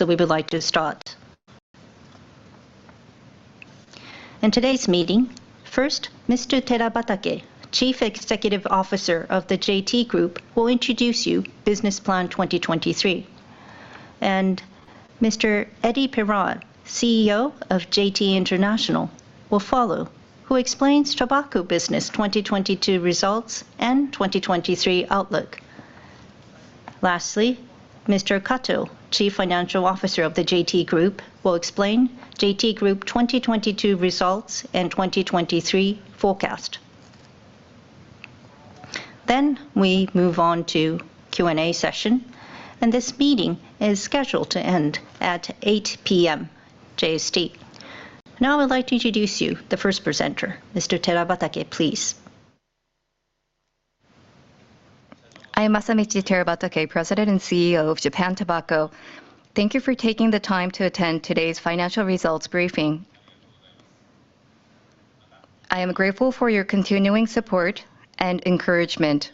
We would like to start. In today's meeting, first, Mr. Terabatake, Chief Executive Officer of the JT Group, will introduce you Business Plan 2023. Mr. Eddy Pirard, CEO of JT International, will follow, who explains Tobacco Business 2022 results and 2023 outlook. Lastly, Mr. Kato, Chief Financial Officer of the JT Group, will explain JT Group 2022 results and 2023 forecast. We move on to Q&A session, and this meeting is scheduled to end at 8:00 P.M. JST. I would like to introduce you the first presenter, Mr. Terabatake, please. I am Masamichi Terabatake, President and CEO of Japan Tobacco. Thank you for taking the time to attend today's financial results briefing. I am grateful for your continuing support and encouragement.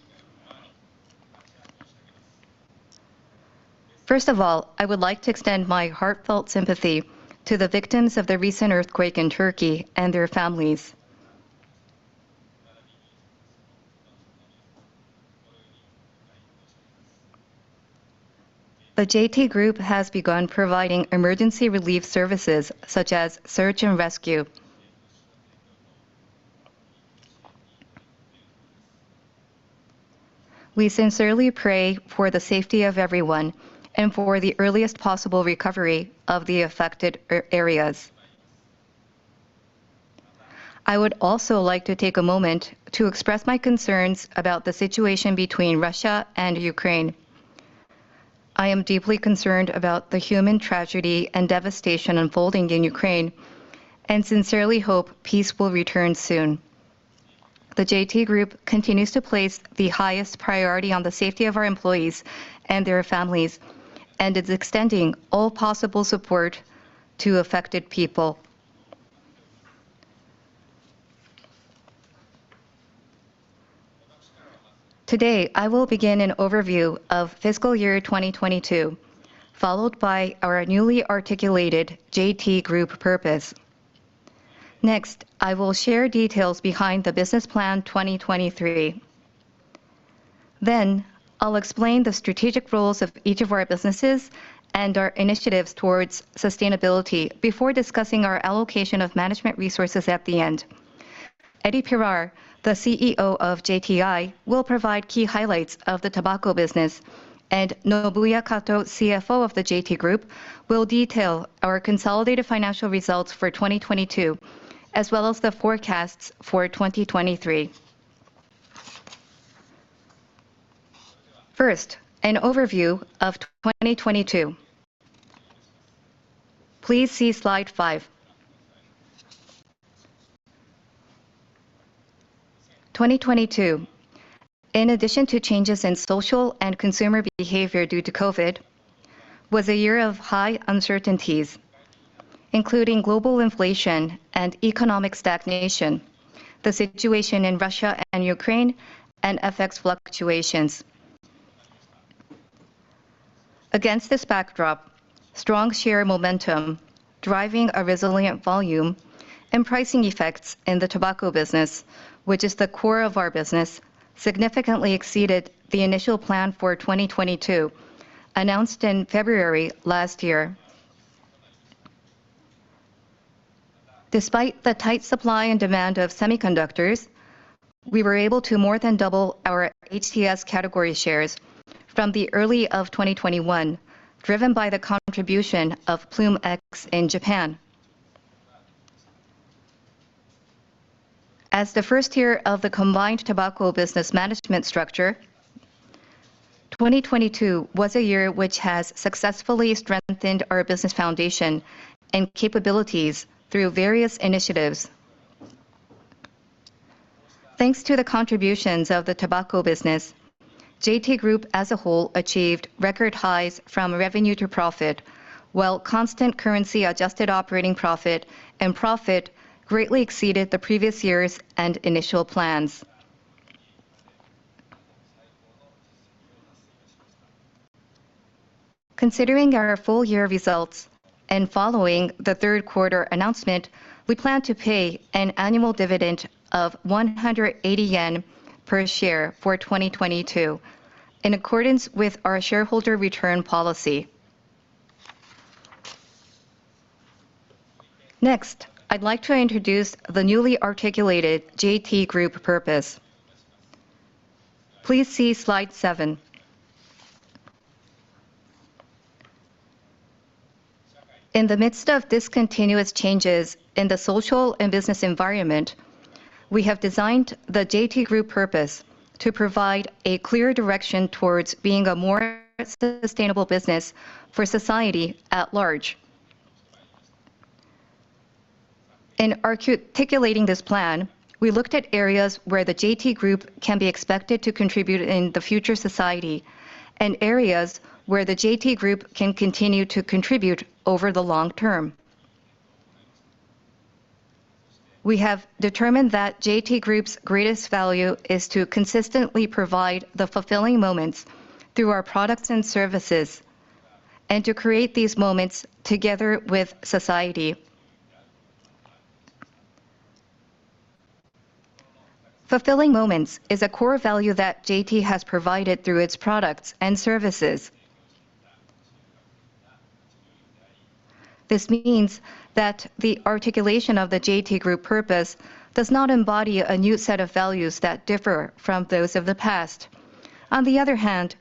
First of all, I would like to extend my heartfelt sympathy to the victims of the recent earthquake in Turkey and their families. The JT Group has begun providing emergency relief services, such as search and rescue. We sincerely pray for the safety of everyone and for the earliest possible recovery of the affected areas. I would also like to take a moment to express my concerns about the situation between Russia and Ukraine. I am deeply concerned about the human tragedy and devastation unfolding in Ukraine and sincerely hope peace will return soon. The JT Group continues to place the highest priority on the safety of our employees and their families, and is extending all possible support to affected people. Today, I will begin an overview of fiscal year 2022, followed by our newly articulated JT Group purpose. I will share details behind the Business Plan 2023. I'll explain the strategic roles of each of our businesses and our initiatives towards sustainability before discussing our allocation of management resources at the end. Eddy Pirard, the CEO of JTI, will provide key highlights of the tobacco business, and Nobuya Kato, CFO of the JT Group, will detail our consolidated financial results for 2022, as well as the forecasts for 2023. An overview of 2022. Please see slide five. 2022, in addition to changes in social and consumer behavior due to COVID, was a year of high uncertainties, including global inflation and economic stagnation, the situation in Russia and Ukraine, and FX fluctuations. Against this backdrop, strong share momentum, driving a resilient volume and pricing effects in the tobacco business, which is the core of our business, significantly exceeded the initial plan for 2022, announced in February last year. Despite the tight supply and demand of semiconductors, we were able to more than double our HTS category shares from the early of 2021, driven by the contribution of Ploom X in Japan. As the first year of the combined tobacco business management structure, 2022 was a year which has successfully strengthened our business foundation and capabilities through various initiatives. Thanks to the contributions of the tobacco business, JT Group as a whole achieved record highs from revenue to profit, while constant currency adjusted operating profit and profit greatly exceeded the previous years and initial plans. Considering our full year results and following the third quarter announcement, we plan to pay an annual dividend of 180 yen per share for 2022, in accordance with our shareholder return policy. Next, I'd like to introduce the newly articulated JT Group purpose. Please see slide seven. In the midst of discontinuous changes in the social and business environment, we have designed the JT Group purpose to provide a clear direction towards being a more sustainable business for society at large. In articulating this plan, we looked at areas where the JT Group can be expected to contribute in the future society and areas where the JT Group can continue to contribute over the long term. We have determined that JT Group's greatest value is to consistently provide the fulfilling moments through our products and services and to create these moments together with society. Fulfilling moments is a core value that JT has provided through its products and services. This means that the articulation of the JT Group purpose does not embody a new set of values that differ from those of the past. On the other hand,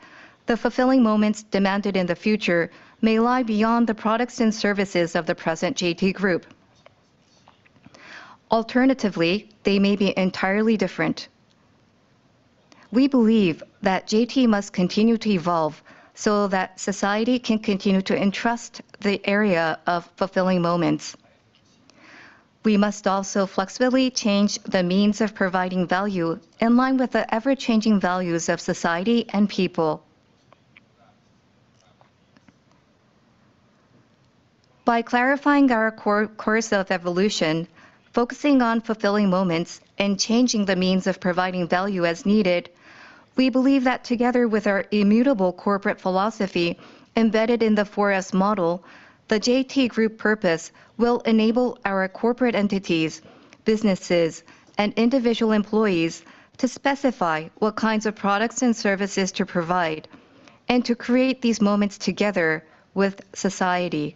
the fulfilling moments demanded in the future may lie beyond the products and services of the present JT Group. Alternatively, they may be entirely different. We believe that JT must continue to evolve so that society can continue to entrust the area of fulfilling moments. We must also flexibly change the means of providing value in line with the ever-changing values of society and people. By clarifying our core, course of evolution, focusing on fulfilling moments, and changing the means of providing value as needed, we believe that together with our immutable corporate philosophy embedded in the 4S model, the JT Group purpose will enable our corporate entities, businesses, and individual employees to specify what kinds of products and services to provide and to create these moments together with society.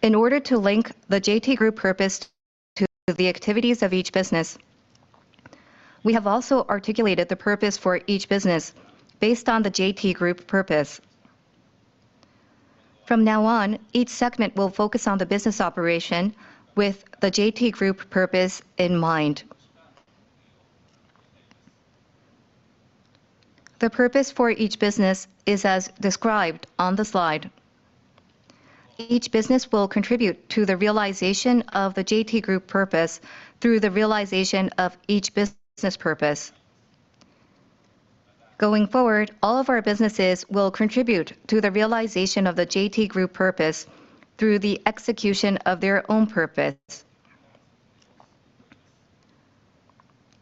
In order to link the JT Group purpose to the activities of each business, we have also articulated the purpose for each business based on the JT Group purpose. From now on, each segment will focus on the business operation with the JT Group purpose in mind. The purpose for each business is as described on the slide. Each business will contribute to the realization of the JT Group purpose through the realization of each business purpose. Going forward, all of our businesses will contribute to the realization of the JT Group purpose through the execution of their own purpose.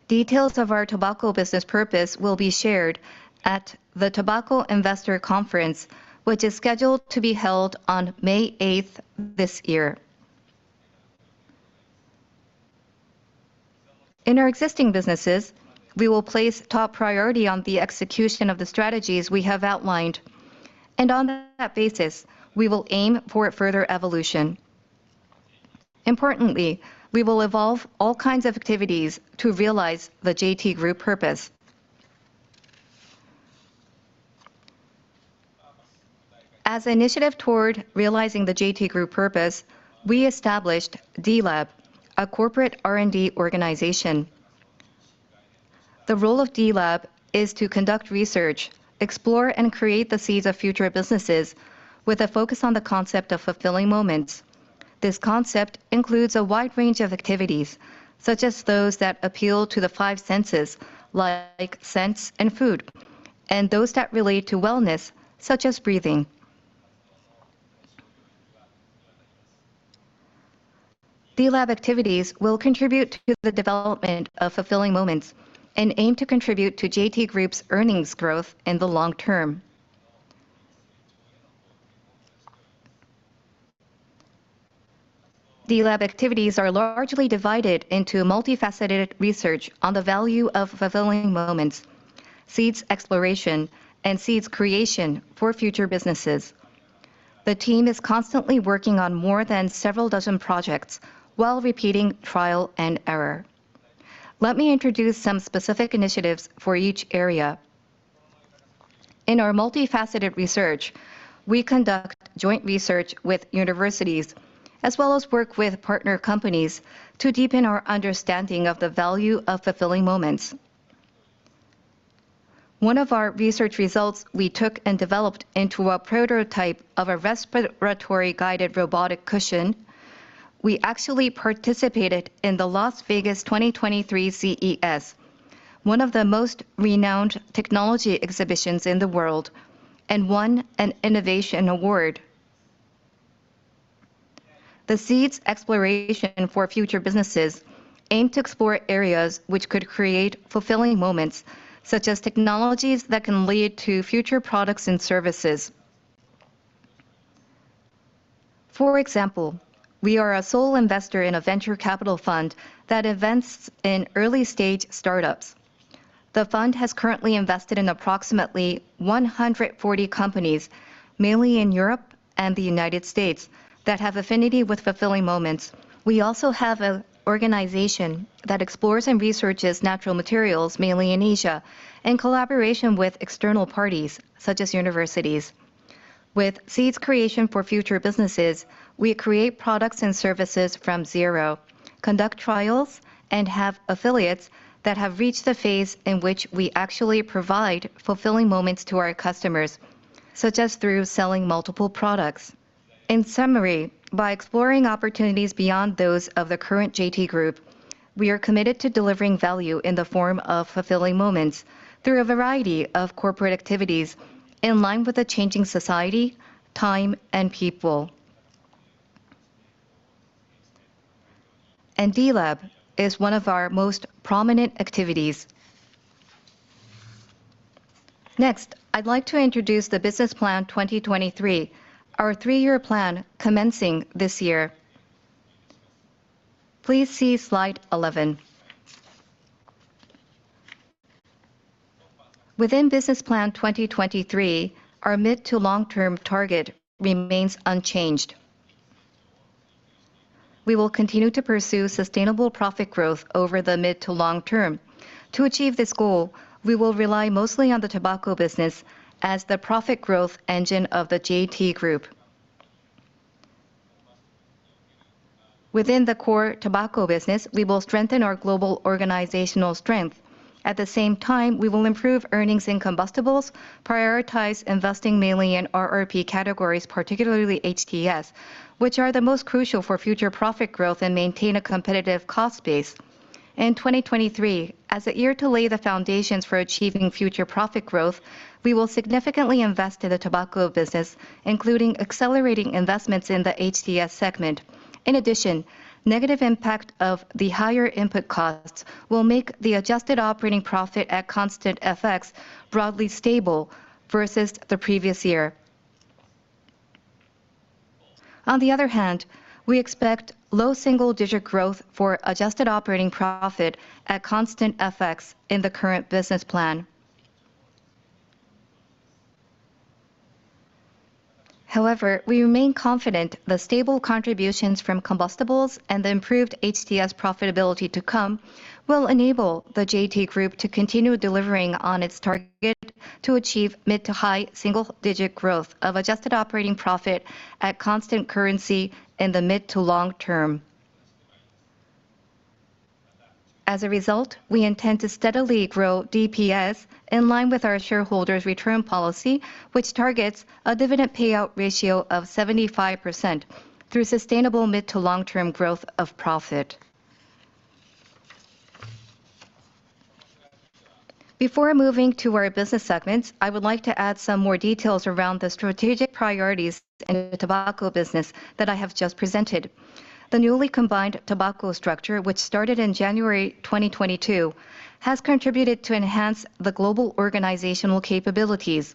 Details of our tobacco business purpose will be shared at the Tobacco Investor Conference, which is scheduled to be held on May eighth this year. In our existing businesses, we will place top priority on the execution of the strategies we have outlined, and on that basis, we will aim for further evolution. Importantly, we will evolve all kinds of activities to realize the JT Group purpose. As initiative toward realizing the JT Group purpose, we established D-LAB, a corporate R&D organization. The role of D-LAB is to conduct research, explore, and create the seeds of future businesses with a focus on the concept of fulfilling moments. This concept includes a wide range of activities, such as those that appeal to the five senses, like scents and food, and those that relate to wellness, such as breathing. D-LAB activities will contribute to the development of fulfilling moments and aim to contribute to JT Group's earnings growth in the long term. D-LAB activities are largely divided into multifaceted research on the value of fulfilling moments, seeds exploration, and seeds creation for future businesses. The team is constantly working on more than several dozen projects while repeating trial and error. Let me introduce some specific initiatives for each area. In our multifaceted research, we conduct joint research with universities, as well as work with partner companies to deepen our understanding of the value of fulfilling moments. One of our research results we took and developed into a prototype of a respiratory-guided robotic cushion. We actually participated in the Las Vegas 2023 CES, one of the most renowned technology exhibitions in the world, and won an innovation award. The seeds exploration for future businesses aim to explore areas which could create fulfilling moments, such as technologies that can lead to future products and services. For example, we are a sole investor in a venture capital fund that invests in early-stage startups. The fund has currently invested in approximately 140 companies, mainly in Europe and the United States, that have affinity with fulfilling moments. We also have an organization that explores and researches natural materials, mainly in Asia, in collaboration with external parties such as universities. With seeds creation for future businesses, we create products and services from zero, conduct trials, and have affiliates that have reached the phase in which we actually provide fulfilling moments to our customers, such as through selling multiple products. In summary, by exploring opportunities beyond those of the current JT Group we are committed to delivering value in the form of fulfilling moments through a variety of corporate activities in line with the changing society, time, and people. D-LAB is one of our most prominent activities. Next, I'd like to introduce the Business Plan 2023, our three-year plan commencing this year. Please see slide 11. Within Business Plan 2023, our mid to long-term target remains unchanged. We will continue to pursue sustainable profit growth over the mid to long term. To achieve this goal, we will rely mostly on the tobacco business as the profit growth engine of the JT Group. Within the core tobacco business, we will strengthen our global organizational strength. At the same time, we will improve earnings and combustibles, prioritize investing mainly in RRP categories, particularly HTS, which are the most crucial for future profit growth and maintain a competitive cost base. In 2023, as a year to lay the foundations for achieving future profit growth, we will significantly invest in the tobacco business, including accelerating investments in the HTS segment. Negative impact of the higher input costs will make the adjusted operating profit at constant FX broadly stable versus the previous year. We expect low single digit growth for adjusted operating profit at constant FX in the current Business Plan. We remain confident the stable contributions from combustibles and the improved HTS profitability to come will enable the JT Group to continue delivering on its target to achieve mid to high single digit growth of adjusted operating profit at constant currency in the mid to long term. We intend to steadily grow DPS in line with our shareholders' return policy, which targets a dividend payout ratio of 75% through sustainable mid to long-term growth of profit. Before moving to our business segments, I would like to add some more details around the strategic priorities in the tobacco business that I have just presented. The newly combined tobacco structure, which started in January 2022, has contributed to enhance the global organizational capabilities.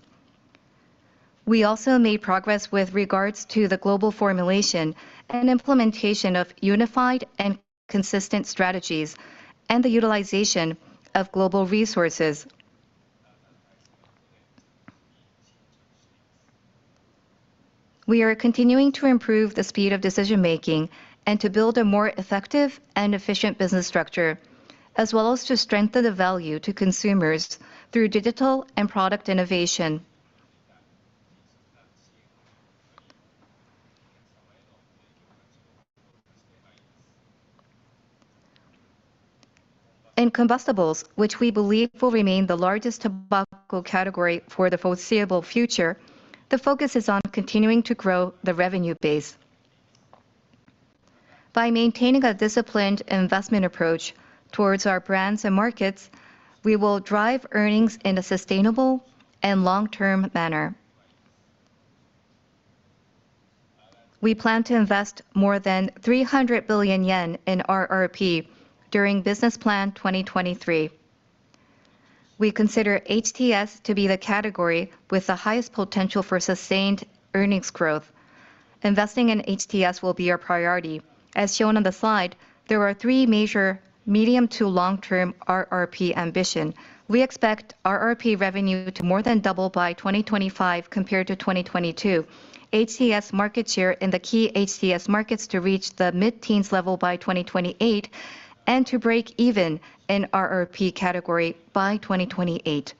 We also made progress with regards to the global formulation and implementation of unified and consistent strategies and the utilization of global resources. We are continuing to improve the speed of decision-making and to build a more effective and efficient business structure, as well as to strengthen the value to consumers through digital and product innovation. In combustibles, which we believe will remain the largest tobacco category for the foreseeable future, the focus is on continuing to grow the revenue base. By maintaining a disciplined investment approach towards our brands and markets, we will drive earnings in a sustainable and long-term manner. We plan to invest more than 300 billion yen in RRP during Business Plan 2023. We consider HTS to be the category with the highest potential for sustained earnings growth. Investing in HTS will be our priority. As shown on the slide, there are three major medium to long-term RRP ambition. We expect RRP revenue to more than double by 2025 compared to 2022. HTS market share in the key HTS markets to reach the mid-teens level by 2028 and to break even in RRP category by 2028.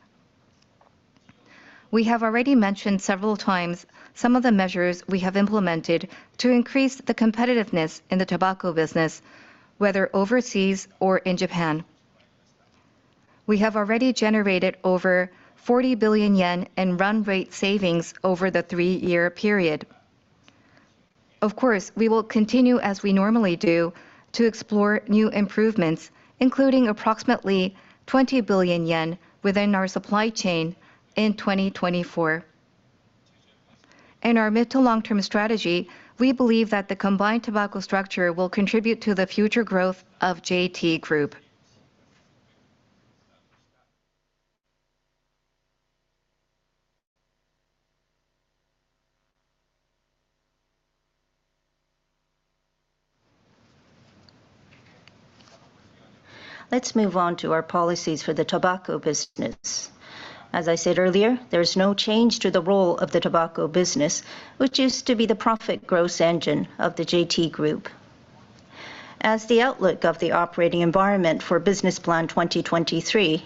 We have already mentioned several times some of the measures we have implemented to increase the competitiveness in the tobacco business, whether overseas or in Japan. We have already generated over 40 billion yen in run rate savings over the three-year period. Of course, we will continue as we normally do to explore new improvements, including approximately 20 billion yen within our supply chain in 2024. In our mid to long-term strategy, we believe that the combined tobacco structure will contribute to the future growth of JT Group. Let's move on to our policies for the tobacco business. As I said earlier, there is no change to the role of the tobacco business, which is to be the profit growth engine of the JT Group. As the outlook of the operating environment for Business Plan 2023,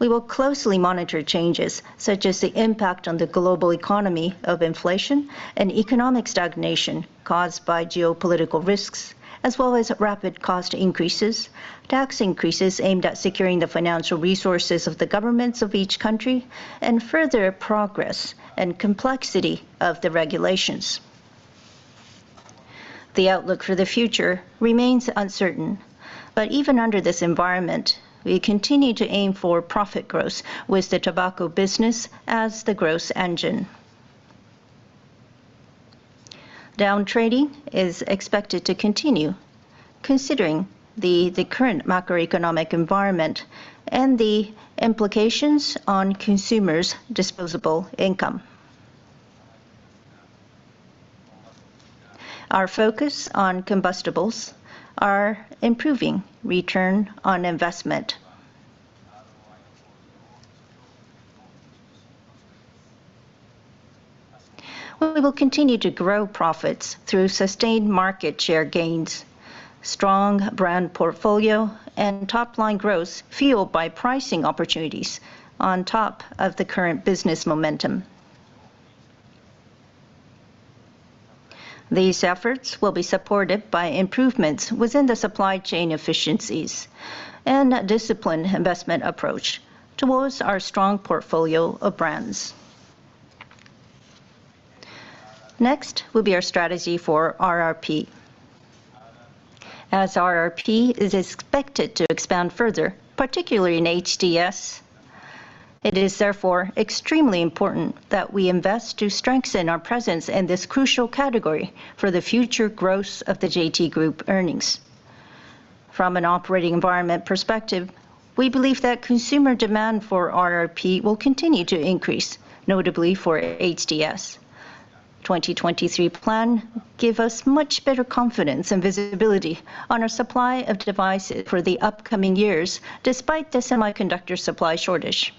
we will closely monitor changes such as the impact on the global economy of inflation and economic stagnation caused by geopolitical risks, as well as rapid cost increases, tax increases aimed at securing the financial resources of the governments of each country, and further progress and complexity of the regulations. The outlook for the future remains uncertain. Even under this environment, we continue to aim for profit growth with the tobacco business as the growth engine. Down trading is expected to continue considering the current macroeconomic environment and the implications on consumers' disposable income. Our focus on combustibles are improving ROI. We will continue to grow profits through sustained market share gains, strong brand portfolio, and top-line growth fueled by pricing opportunities on top of the current business momentum. These efforts will be supported by improvements within the supply chain efficiencies and a disciplined investment approach towards our strong portfolio of brands. Next will be our strategy for RRP. As RRP is expected to expand further, particularly in HTS, it is therefore extremely important that we invest to strengthen our presence in this crucial category for the future growth of the JT Group earnings. From an operating environment perspective, we believe that consumer demand for RRP will continue to increase, notably for HTS. Business Plan 2023 give us much better confidence and visibility on our supply of devices for the upcoming years, despite the semiconductor supply shortage.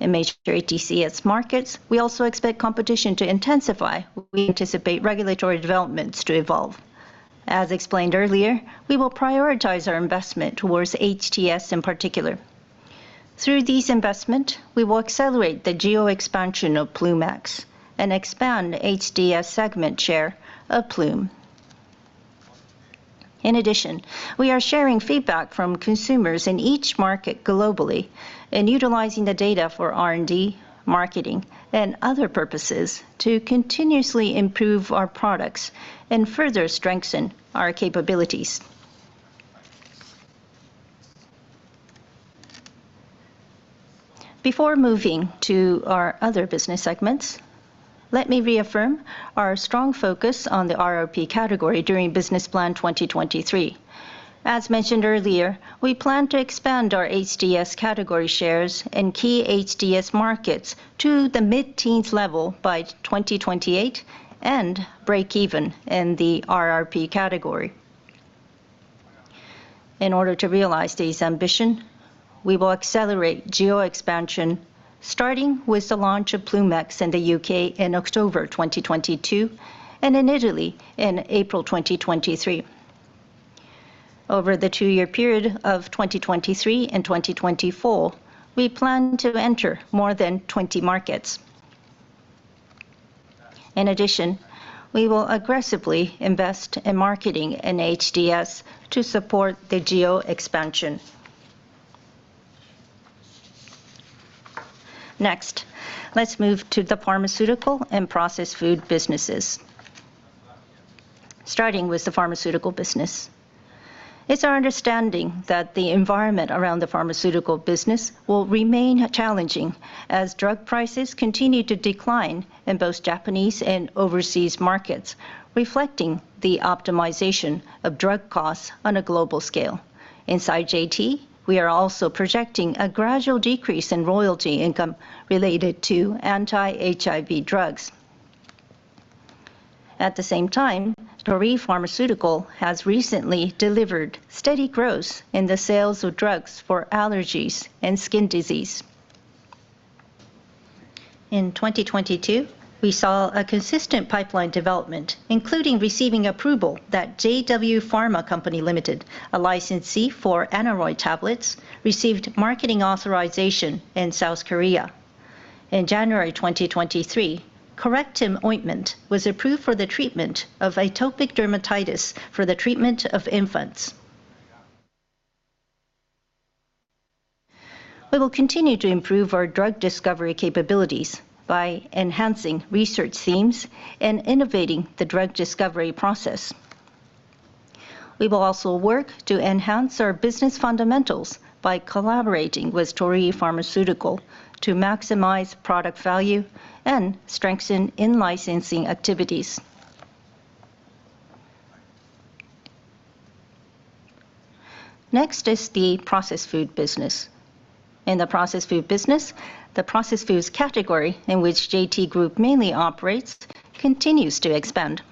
In major HTS markets, we also expect competition to intensify. We anticipate regulatory developments to evolve. As explained earlier, we will prioritize our investment towards HTS in particular. Through this investment, we will accelerate the geo-expansion of Ploom X and expand HTS segment share of Ploom. In addition, we are sharing feedback from consumers in each market globally and utilizing the data for R&D, marketing, and other purposes to continuously improve our products and further strengthen our capabilities. Before moving to our other business segments, let me reaffirm our strong focus on the RRP category during Business Plan 2023. As mentioned earlier, we plan to expand our HTS category shares in key HTS markets to the mid-teens level by 2028 and break even in the RRP category. In order to realize this ambition, we will accelerate geo-expansion, starting with the launch of Ploom X in the U.K. in October 2022 and in Italy in April 2023. Over the two-year period of 2023 and 2024, we plan to enter more than 20 markets. In addition, we will aggressively invest in marketing in HTS to support the geo-expansion. Next, let's move to the pharmaceutical and processed food businesses. Starting with the pharmaceutical business. It's our understanding that the environment around the pharmaceutical business will remain challenging as drug prices continue to decline in both Japanese and overseas markets, reflecting the optimization of drug costs on a global scale. Inside JT, we are also projecting a gradual decrease in royalty income related to anti-HIV drugs. At the same time, Torii Pharmaceutical has recently delivered steady growth in the sales of drugs for allergies and skin disease. In 2022, we saw a consistent pipeline development, including receiving approval that JW Pharmaceutical Company Limited, a licensee for ANAROID tablets, received marketing authorization in South Korea. In January 2023, CORECTIM Ointment was approved for the treatment of atopic dermatitis for the treatment of infants. We will continue to improve our drug discovery capabilities by enhancing research teams and innovating the drug discovery process. We will also work to enhance our business fundamentals by collaborating with Torii Pharmaceutical to maximize product value and strengthen in-licensing activities. Next is the processed food business. In the processed food business, the processed foods category in which JT Group mainly operates continues to expand.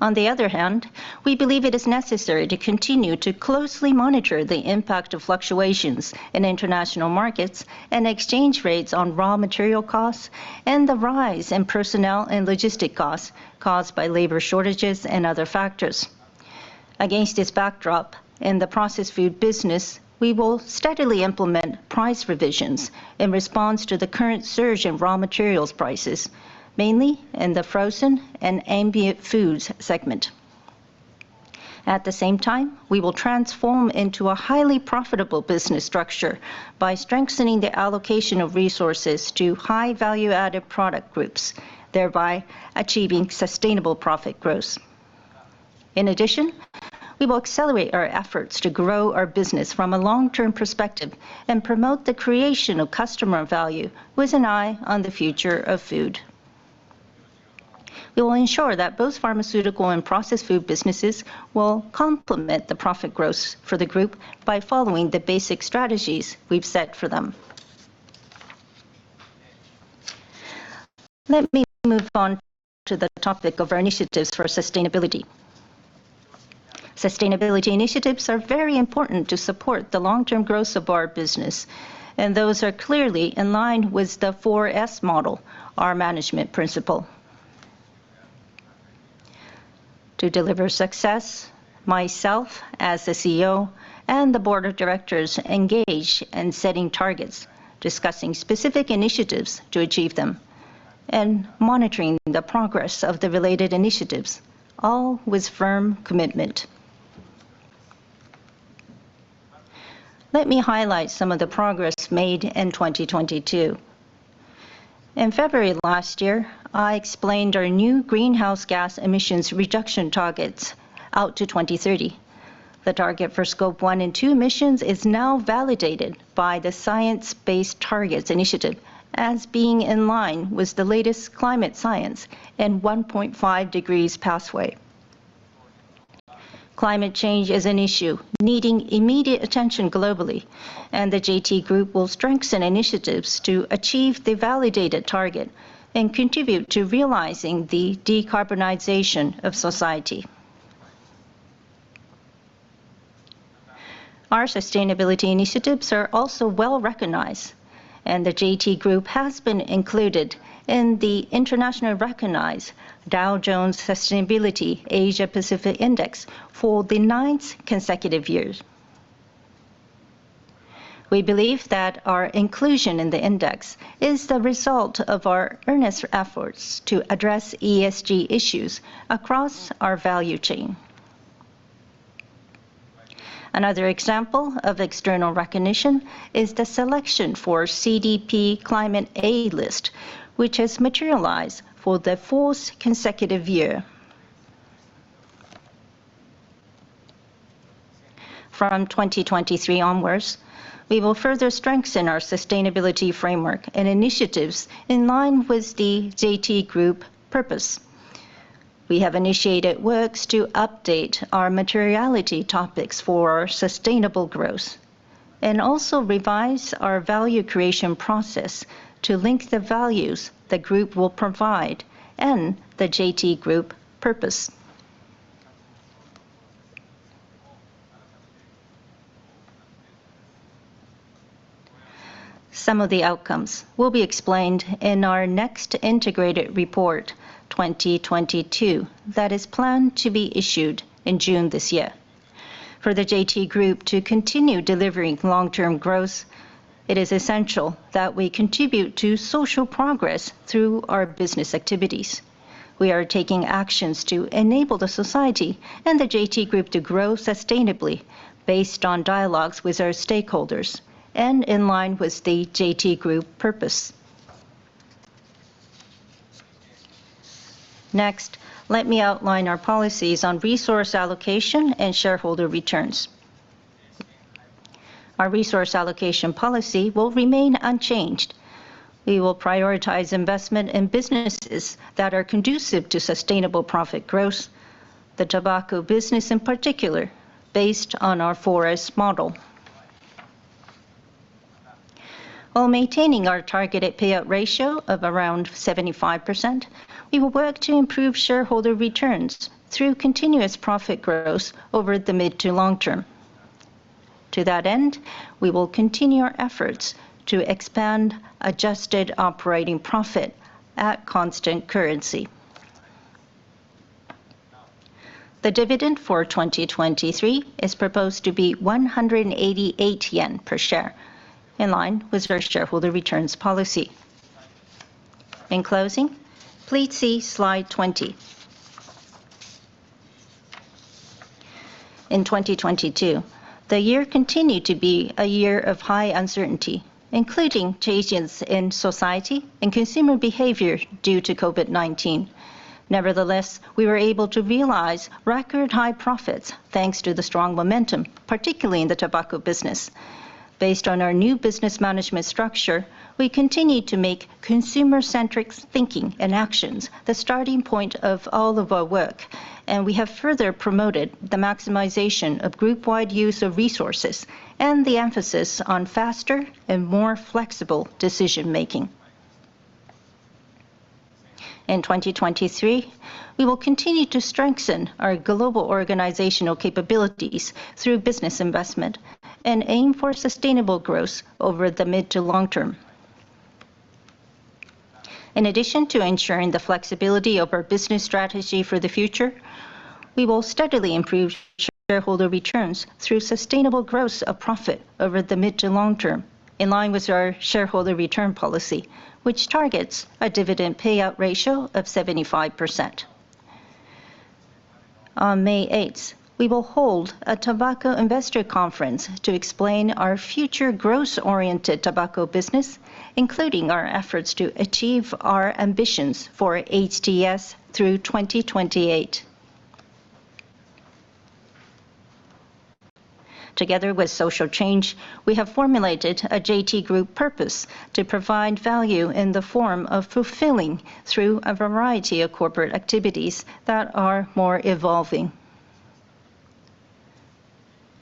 We believe it is necessary to continue to closely monitor the impact of fluctuations in international markets and exchange rates on raw material costs and the rise in personnel and logistic costs caused by labor shortages and other factors. Against this backdrop, in the processed food business, we will steadily implement price revisions in response to the current surge in raw materials prices, mainly in the frozen and ambient foods segment. At the same time, we will transform into a highly profitable business structure by strengthening the allocation of resources to high value-added product groups thereby achieving sustainable profit growth. We will accelerate our efforts to grow our business from a long-term perspective and promote the creation of customer value with an eye on the future of food. We will ensure that both pharmaceutical and processed food businesses will complement the profit growth for the group by following the basic strategies we've set for them. Let me move on to the topic of our initiatives for sustainability. Sustainability initiatives are very important to support the long-term growth of our business, and those are clearly in line with the 4S model, our management principle. To deliver success, myself as the CEO and the board of directors engage in setting targets, discussing specific initiatives to achieve them, and monitoring the progress of the related initiatives, all with firm commitment. Let me highlight some of the progress made in 2022. In February last year, I explained our new greenhouse gas emissions reduction targets out to 2030. The target for Scope 1 and 2 emissions is now validated by the Science Based Targets initiative as being in line with the latest climate science and 1.5 degrees pathway. Climate change is an issue needing immediate attention globally. The JT Group will strengthen initiatives to achieve the validated target and contribute to realizing the decarbonization of society. Our sustainability initiatives are also well-recognized, and the JT Group has been included in the international recognized Dow Jones Sustainability Asia Pacific Index for the ninth consecutive year. We believe that our inclusion in the index is the result of our earnest efforts to address ESG issues across our value chain. Another example of external recognition is the selection for CDP Climate A List, which has materialized for the fourth consecutive year. From 2023 onwards, we will further strengthen our sustainability framework and initiatives in line with the JT Group purpose. We have initiated works to update our materiality topics for sustainable growth and also revise our value creation process to link the values the group will provide and the JT Group purpose. Some of the outcomes will be explained in our next integrated report 2022 that is planned to be issued in June this year. For the JT Group to continue delivering long-term growth, it is essential that we contribute to social progress through our business activities. We are taking actions to enable the society and the JT Group to grow sustainably based on dialogues with our stakeholders and in line with the JT Group purpose. Next, let me outline our policies on resource allocation and shareholder returns. Our resource allocation policy will remain unchanged. We will prioritize investment in businesses that are conducive to sustainable profit growth, the tobacco business in particular, based on our 4S model. While maintaining our targeted payout ratio of around 75%, we will work to improve shareholder returns through continuous profit growth over the mid to long term. To that end, we will continue our efforts to expand adjusted operating profit at constant currency. The dividend for 2023 is proposed to be 188 yen per share, in line with our shareholder returns policy. In closing, please see slide 20. In 2022, the year continued to be a year of high uncertainty, including changes in society and consumer behavior due to COVID-19. Nevertheless, we were able to realize record high profits thanks to the strong momentum, particularly in the tobacco business. Based on our new business management structure, we continued to make consumer-centric thinking and actions the starting point of all of our work, and we have further promoted the maximization of group-wide use of resources and the emphasis on faster and more flexible decision-making. In 2023, we will continue to strengthen our global organizational capabilities through business investment and aim for sustainable growth over the mid to long term. In addition to ensuring the flexibility of our business strategy for the future, we will steadily improve shareholder returns through sustainable growth of profit over the mid to long term. In line with our shareholder return policy, which targets a dividend payout ratio of 75%. On May 8th, we will hold a Tobacco Investor Conference to explain our future growth-oriented tobacco business, including our efforts to achieve our ambitions for HTS through 2028. Together with social change, we have formulated a JT Group purpose to provide value in the form of fulfilling through a variety of corporate activities that are more evolving.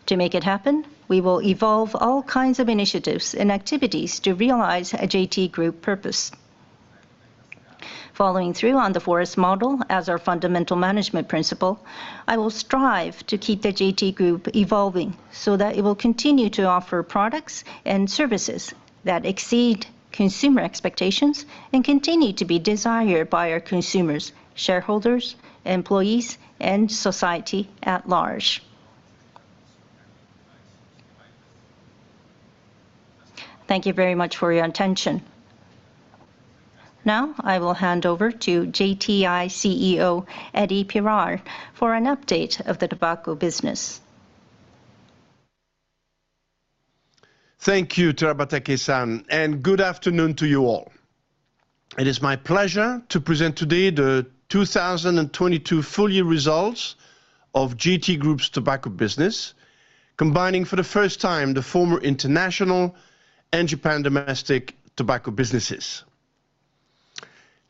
To make it happen, we will evolve all kinds of initiatives and activities to realize a JT Group purpose. Following through on the 4S model as our fundamental management principle, I will strive to keep the JT Group evolving so that it will continue to offer products and services that exceed consumer expectations and continue to be desired by our consumers, shareholders, employees, and society at large. Thank you very much for your attention. I will hand over to JTI CEO Eddy Pirard for an update of the tobacco business. Thank you, Terabatake-san, good afternoon to you all. It is my pleasure to present today the 2022 full year results of JT Group's tobacco business, combining for the first time the former international and Japan domestic tobacco businesses.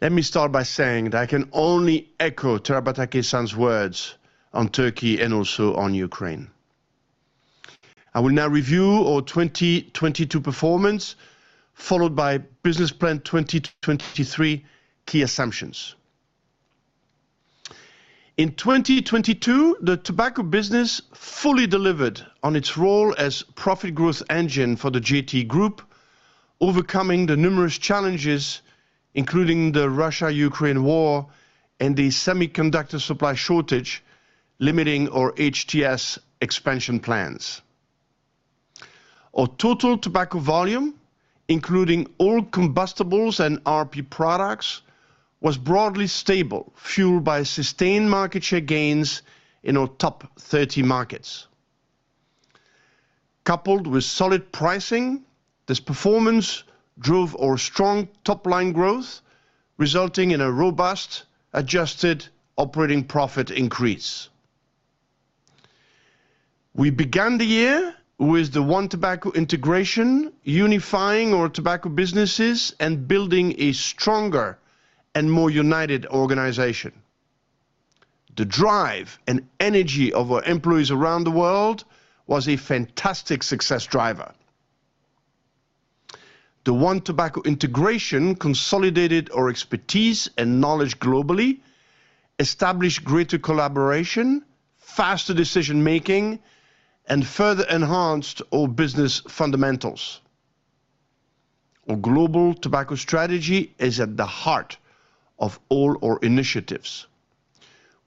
Let me start by saying that I can only echo Terabatake-san's words on Turkey and also on Ukraine. I will now review our 2022 performance, followed by Business Plan 2023 key assumptions. In 2022, the tobacco business fully delivered on its role as profit growth engine for the JT Group, overcoming the numerous challenges, including the Russia-Ukraine war and the semiconductor supply shortage, limiting our HTS expansion plans. Our total tobacco volume, including all combustibles and RP products, was broadly stable, fueled by sustained market share gains in our top 30 markets. Coupled with solid pricing, this performance drove our strong top-line growth, resulting in a robust adjusted operating profit increase. We began the year with the One JT integration, unifying our tobacco businesses and building a stronger and more united organization. The drive and energy of our employees around the world was a fantastic success driver. The One JT integration consolidated our expertise and knowledge globally, established greater collaboration, faster decision-making, and further enhanced our business fundamentals. Our global tobacco strategy is at the heart of all our initiatives.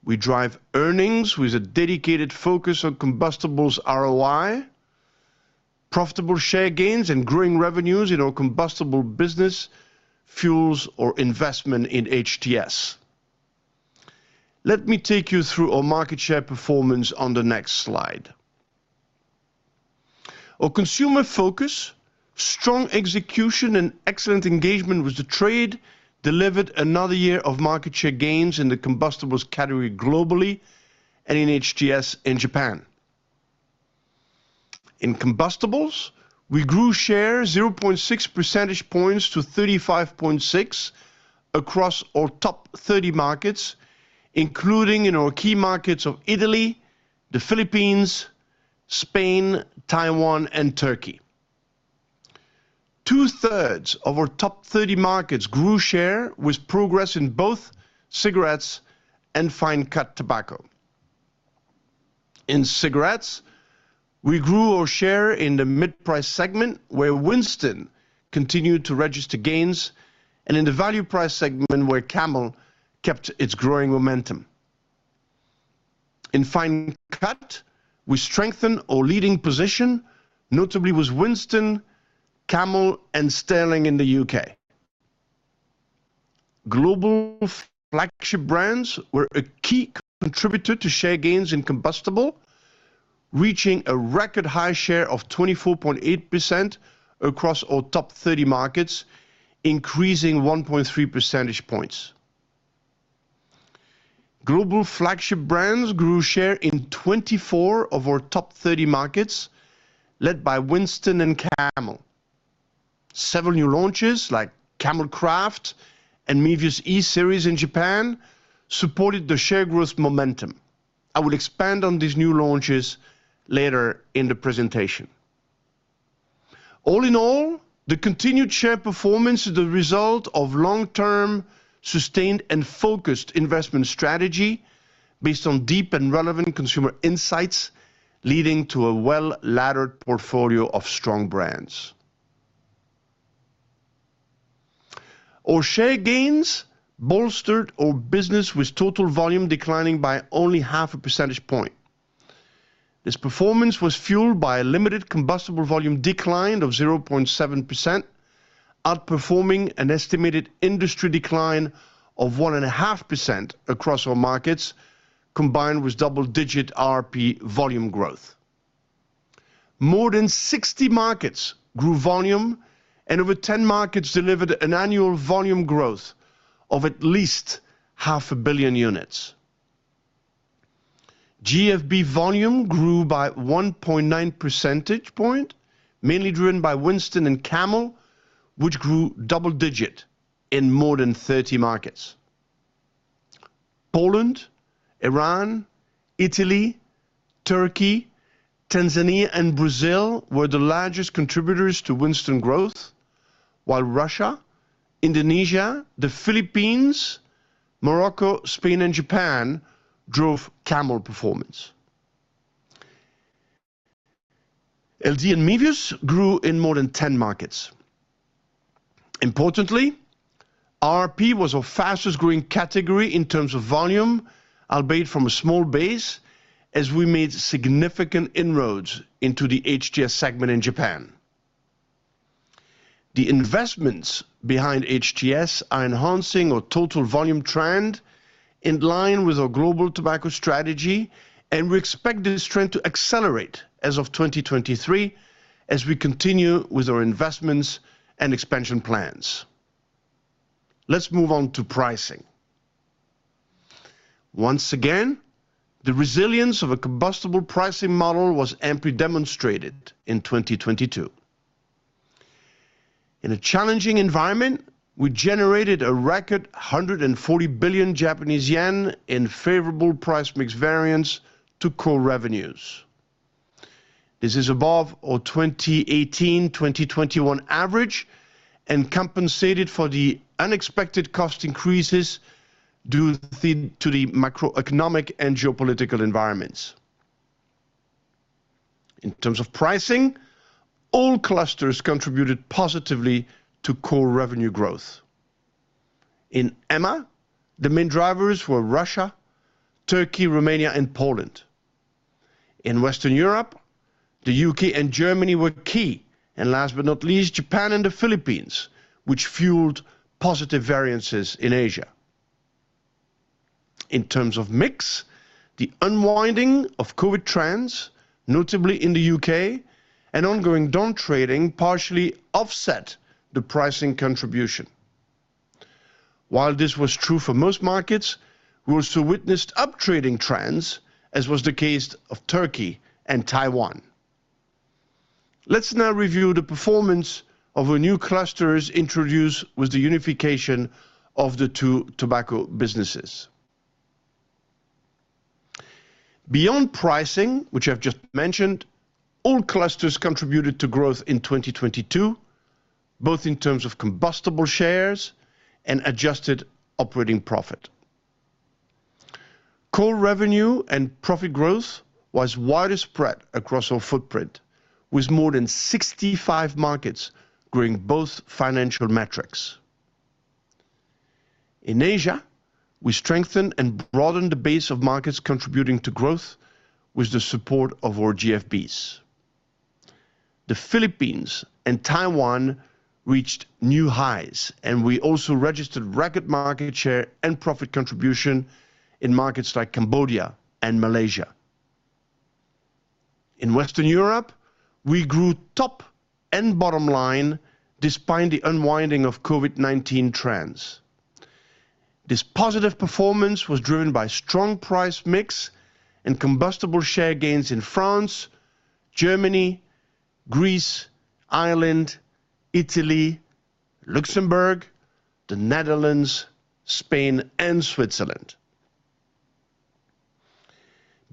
We drive earnings with a dedicated focus on combustibles ROI. Profitable share gains and growing revenues in our combustible business fuels our investment in HTS. Let me take you through our market share performance on the next slide. Our consumer focus, strong execution, and excellent engagement with the trade delivered another year of market share gains in the combustibles category globally and in HTS in Japan. In combustibles, we grew share 0.6 percentage points to 35.6 across our top 30 markets, including in our key markets of Italy, the Philippines, Spain, Taiwan, and Turkey. Two-thirds of our top 30 markets grew share with progress in both cigarettes and fine cut tobacco. In cigarettes, we grew our share in the mid-price segment, where Winston continued to register gains, and in the value price segment, where Camel kept its growing momentum. In fine cut, we strengthened our leading position, notably with Winston, Camel, and Sterling in the U.K. Global flagship brands were a key contributor to share gains in combustible, reaching a record high share of 24.8% across all top 30 markets, increasing 1.3 percentage points. Global flagship brands grew share in 24 of our top 30 markets, led by Winston and Camel. Several new launches, like Camel Craft and Mevius E-Series in Japan, supported the share growth momentum. I will expand on these new launches later in the presentation. All in all, the continued share performance is the result of long-term, sustained, and focused investment strategy based on deep and relevant consumer insights, leading to a well-laddered portfolio of strong brands. Share gains bolstered our business with total volume declining by only half a percentage point. This performance was fueled by a limited combustible volume decline of 0.7%, outperforming an estimated industry decline of 1.5% across all markets, combined with double-digit RRP volume growth. More than 60 markets grew volume, and over 10 markets delivered an annual volume growth of at least 0.5 billion units. GFB volume grew by 1.9 percentage point, mainly driven by Winston and Camel, which grew double digit in more than 30 markets. Poland, Iran, Italy, Turkey, Tanzania, and Brazil were the largest contributors to Winston growth, while Russia, Indonesia, the Philippines, Morocco, Spain, and Japan drove Camel performance. LD and Mevius grew in more than 10 markets. Importantly, RRP was our fastest-growing category in terms of volume, albeit from a small base, as we made significant inroads into the HTS segment in Japan. The investments behind HTS are enhancing our total volume trend in line with our global tobacco strategy. We expect this trend to accelerate as of 2023 as we continue with our investments and expansion plans. Let's move on to pricing. Once again, the resilience of a combustible pricing model was amply demonstrated in 2022. In a challenging environment, we generated a record 140 billion Japanese yen in favorable price mix variance to core revenues. This is above our 2018-2021 average. It compensated for the unexpected cost increases to the macroeconomic and geopolitical environments. In terms of pricing, all clusters contributed positively to core revenue growth. In EMA, the main drivers were Russia, Turkey, Romania, and Poland. In Western Europe, the U.K. and Germany were key. Last but not least, Japan and the Philippines, which fueled positive variances in Asia. In terms of mix, the unwinding of COVID trends, notably in the U.K., and ongoing down trading partially offset the pricing contribution. While this was true for most markets, we also witnessed up-trading trends, as was the case of Turkey and Taiwan. Let's now review the performance of our new clusters introduced with the unification of the two tobacco businesses. Beyond pricing, which I've just mentioned, all clusters contributed to growth in 2022, both in terms of combustible shares and adjusted operating profit. Core revenue and profit growth was widespread across our footprint, with more than 65 markets growing both financial metrics. In Asia, we strengthened and broadened the base of markets contributing to growth with the support of our GFBs. The Philippines and Taiwan reached new highs, and we also registered record market share and profit contribution in markets like Cambodia and Malaysia. In Western Europe, we grew top and bottom line despite the unwinding of COVID-19 trends. This positive performance was driven by strong price mix and combustible share gains in France, Germany, Greece, Ireland, Italy, Luxembourg, the Netherlands, Spain, and Switzerland.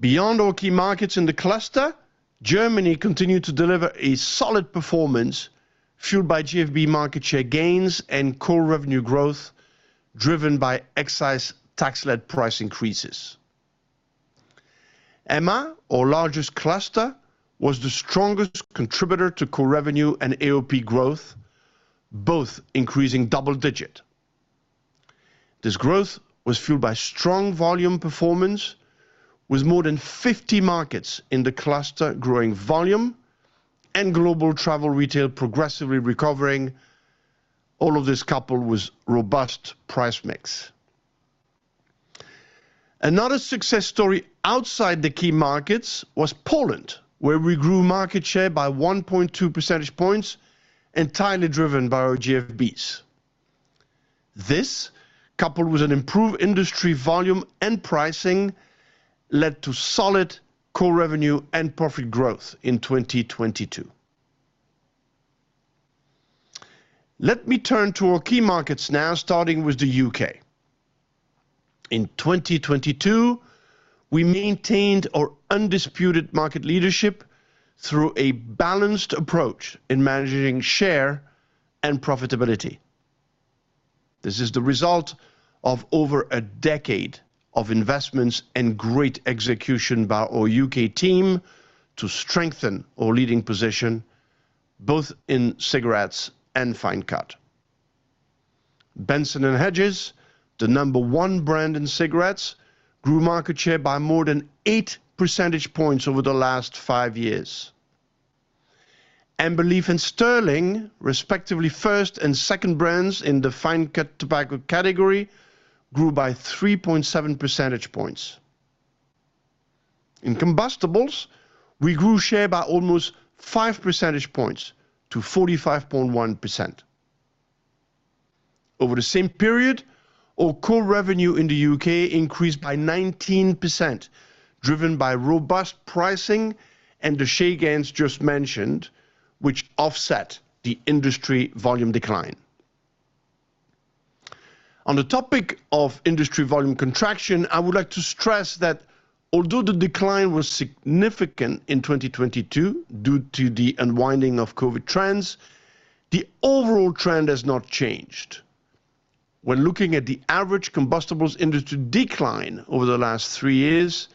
Beyond our key markets in the cluster, Germany continued to deliver a solid performance fueled by GFB market share gains and core revenue growth driven by excise tax-led price increases. EMA, our largest cluster, was the strongest contributor to core revenue and AOP growth, both increasing double digit. This growth was fueled by strong volume performance, with more than 50 markets in the cluster growing volume and global travel retail progressively recovering, all of this coupled with robust price mix. Another success story outside the key markets was Poland, where we grew market share by 1.2 percentage points, entirely driven by our GFBs. This, coupled with an improved industry volume and pricing, led to solid core revenue and profit growth in 2022. Let me turn to our key markets now, starting with the U.K. In 2022, we maintained our undisputed market leadership through a balanced approach in managing share and profitability. This is the result of over a decade of investments and great execution by our U.K. team to strengthen our leading position both in cigarettes and fine cut. Benson & Hedges, the number one brand in cigarettes, grew market share by more than 8 percentage points over the last five years. Amber Leaf and Sterling, respectively first and second brands in the fine cut tobacco category, grew by 3.7 percentage points. In combustibles, we grew share by almost 5 percentage points to 45.1%. Over the same period, our core revenue in the U.K. increased by 19%, driven by robust pricing and the share gains just mentioned, which offset the industry volume decline. On the topic of industry volume contraction, I would like to stress that although the decline was significant in 2022 due to the unwinding of COVID trends, the overall trend has not changed. When looking at the average combustibles industry decline over the last three years,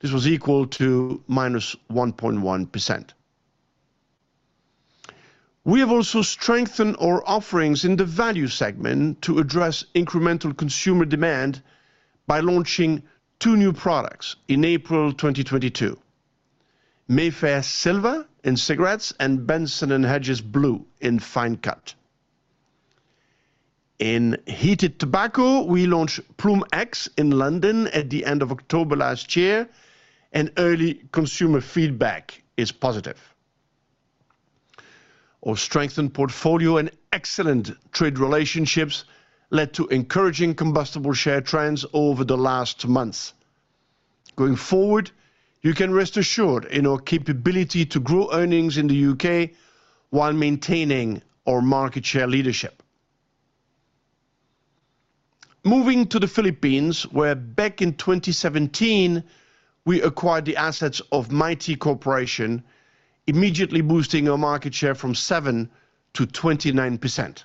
this was equal to minus 1.1%. We have also strengthened our offerings in the value segment to address incremental consumer demand by launching two new products in April 2022, Mayfair Silver in cigarettes and Benson & Hedges Blue in fine cut. In heated tobacco, we launched Ploom X in London at the end of October last year, and early consumer feedback is positive. Our strengthened portfolio and excellent trade relationships led to encouraging combustible share trends over the last months. Going forward, you can rest assured in our capability to grow earnings in the U.K. while maintaining our market share leadership. Moving to the Philippines, where back in 2017 we acquired the assets of Mighty Corporation, immediately boosting our market share from 7% to 29%.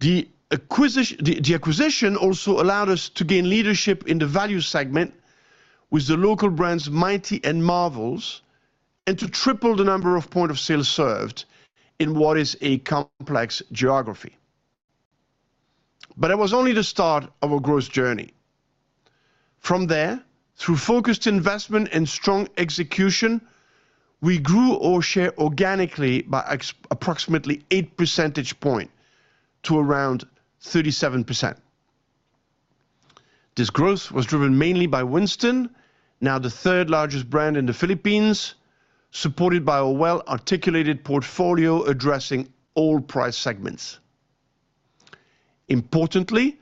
The acquisition also allowed us to gain leadership in the value segment with the local brands Mighty and Marvels, and to triple the number of point of sales served in what is a complex geography. It was only the start of a growth journey. From there, through focused investment and strong execution, we grew our share organically by approximately 8 percentage point to around 37%. This growth was driven mainly by Winston, now the third-largest brand in the Philippines, supported by a well-articulated portfolio addressing all price segments. Importantly,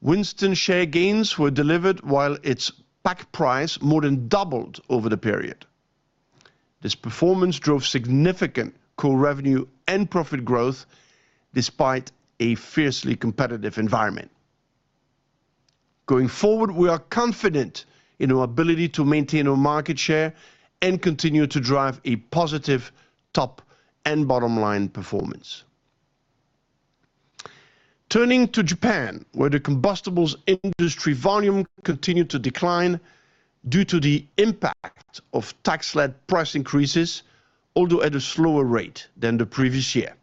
Winston share gains were delivered while its pack price more than doubled over the period. This performance drove significant core revenue and profit growth despite a fiercely competitive environment. Going forward, we are confident in our ability to maintain our market share and continue to drive a positive top and bottom-line performance. Turning to Japan, where the combustibles industry volume continued to decline due to the impact of tax-led price increases, although at a slower rate than the previous year.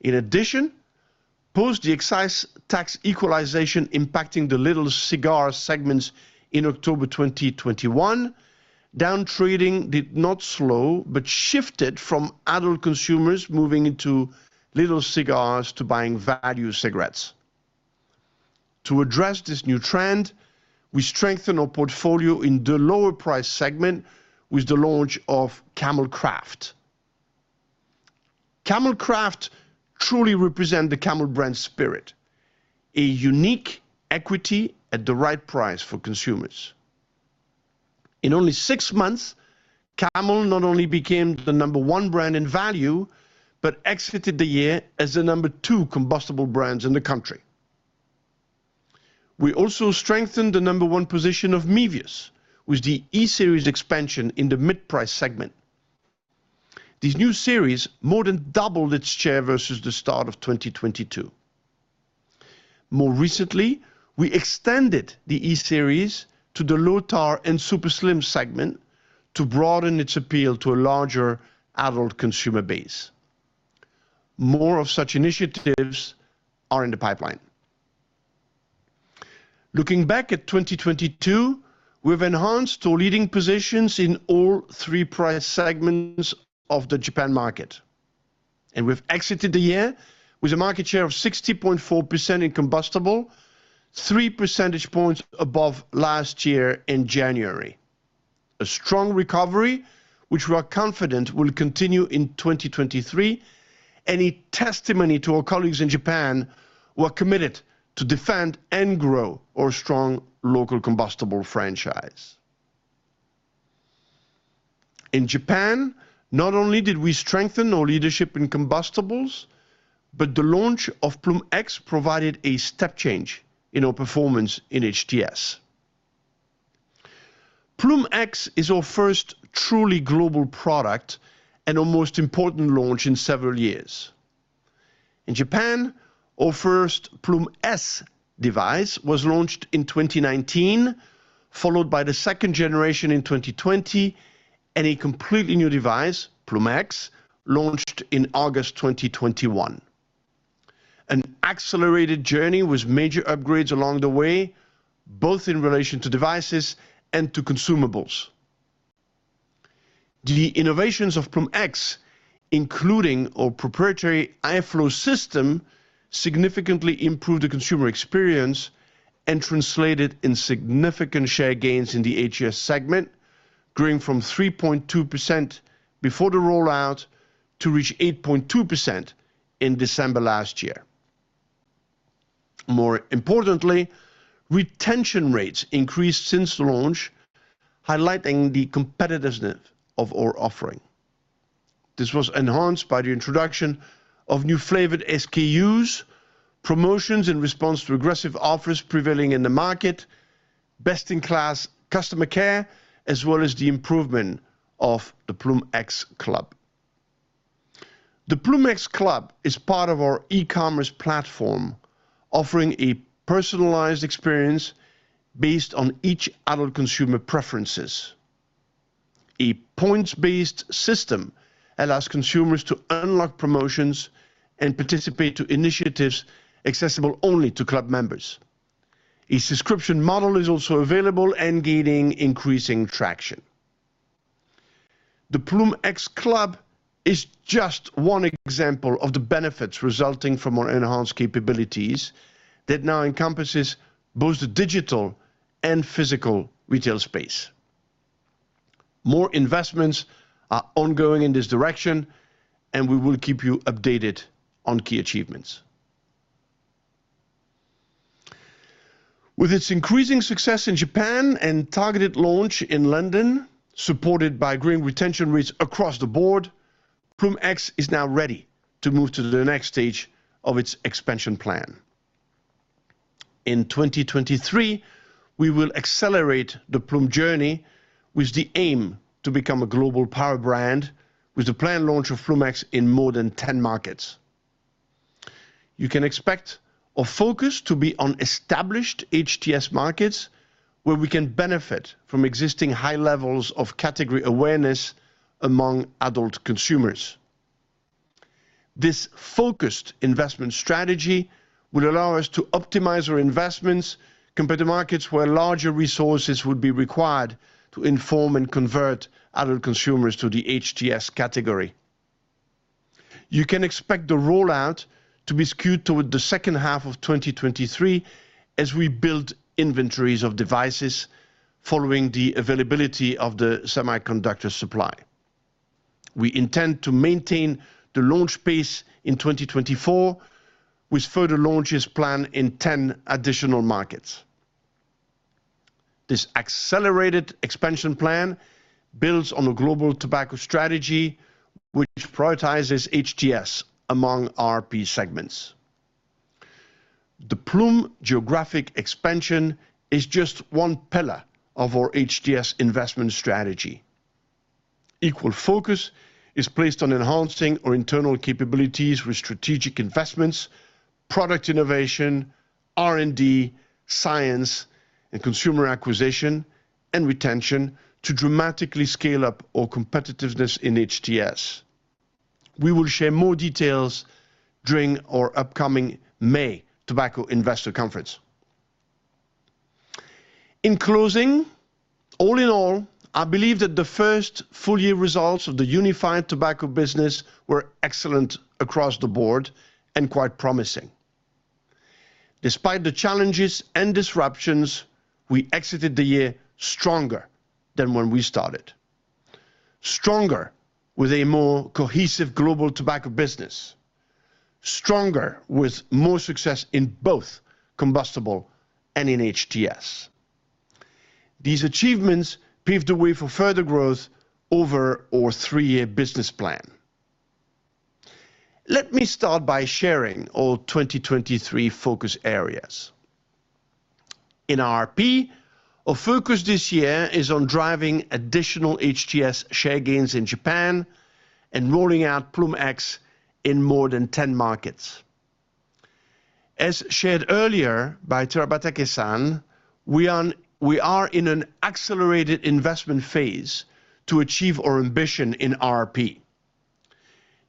In addition, post the excise tax equalization impacting the little cigar segments in October twenty twenty-one, down trading did not slow, but shifted from adult consumers moving into little cigars to buying value cigarettes. To address this new trend, we strengthened our portfolio in the lower price segment with the launch of Camel Craft. Camel Craft truly represent the Camel brand spirit, a unique equity at the right price for consumers. In only six months, Camel not only became the number one brand in value, but exited the year as the number two combustible brands in the country. We also strengthened the number one position of Mevius with the E-Series expansion in the mid-price segment. This new series more than doubled its share versus the start of 2022. More recently, we extended the E-Series to the low-tar and super slim segment to broaden its appeal to a larger adult consumer base. More of such initiatives are in the pipeline. Looking back at 2022, we've enhanced our leading positions in all three price segments of the Japan market. We've exited the year with a market share of 60.4% in combustible, 3 percentage points above last year in January. A strong recovery which we are confident will continue in 2023, a testimony to our colleagues in Japan who are committed to defend and grow our strong local combustible franchise. In Japan, not only did we strengthen our leadership in combustibles, the launch of Ploom X provided a step change in our performance in HTS. Ploom X is our first truly global product and our most important launch in several years. In Japan our first Ploom S device was launched in 2019 followed by the second generation in 2020 and a completely new device, Ploom X, launched in August 2021. An accelerated journey with major upgrades along the way both in relation to devices and to consumables. The innovations of Ploom X, including our proprietary HEATFLOW system, significantly improved the consumer experience and translated in significant share gains in the HTS segment, growing from 3.2% before the rollout to reach 8.2% in December last year. More importantly, retention rates increased since the launch, highlighting the competitiveness of our offering. This was enhanced by the introduction of new flavored SKUs, promotions in response to aggressive offers prevailing in the market, best-in-class customer care, as well as the improvement of the Ploom X Club. The Ploom X Club is part of our e-commerce platform, offering a personalized experience based on each adult consumer preferences. A points-based system allows consumers to unlock promotions and participate to initiatives accessible only to club members. A subscription model is also available and gaining increasing traction. The Ploom X CLUB is just one example of the benefits resulting from our enhanced capabilities that now encompasses both the digital and physical retail space. More investments are ongoing in this direction, and we will keep you updated on key achievements. With its increasing success in Japan and targeted launch in London, supported by growing retention rates across the board, Ploom X is now ready to move to the next stage of its expansion plan. In 2023, we will accelerate the Ploom journey with the aim to become a global power brand with the planned launch of Ploom X in more than 10 markets. You can expect our focus to be on established HTS markets, where we can benefit from existing high levels of category awareness among adult consumers. This focused investment strategy will allow us to optimize our investments compared to markets where larger resources would be required to inform and convert adult consumers to the HTS category. You can expect the rollout to be skewed toward the second half of 2023 as we build inventories of devices following the availability of the semiconductor supply. We intend to maintain the launch pace in 2024 with further launches planned in 10 additional markets. This accelerated expansion plan builds on a global tobacco strategy which prioritizes HTS among RP segments. The Ploom geographic expansion is just one pillar of our HTS investment strategy. Equal focus is placed on enhancing our internal capabilities with strategic investments, product innovation, R&D, science, and consumer acquisition and retention to dramatically scale up our competitiveness in HTS. We will share more details during our upcoming May Tobacco Investor Conference. In closing, all in all, I believe that the first full year results of the unified tobacco business were excellent across the board and quite promising. Despite the challenges and disruptions, we exited the year stronger than when we started. Stronger with a more cohesive global tobacco business. Stronger with more success in both combustible and in HTS. These achievements paved the way for further growth over our three-year business plan. Let me start by sharing our 2023 focus areas. In RP, our focus this year is on driving additional HTS share gains in Japan and rolling out Ploom X in more than 10 markets. As shared earlier by Terabatake-san, we are in an accelerated investment phase to achieve our ambition in RP.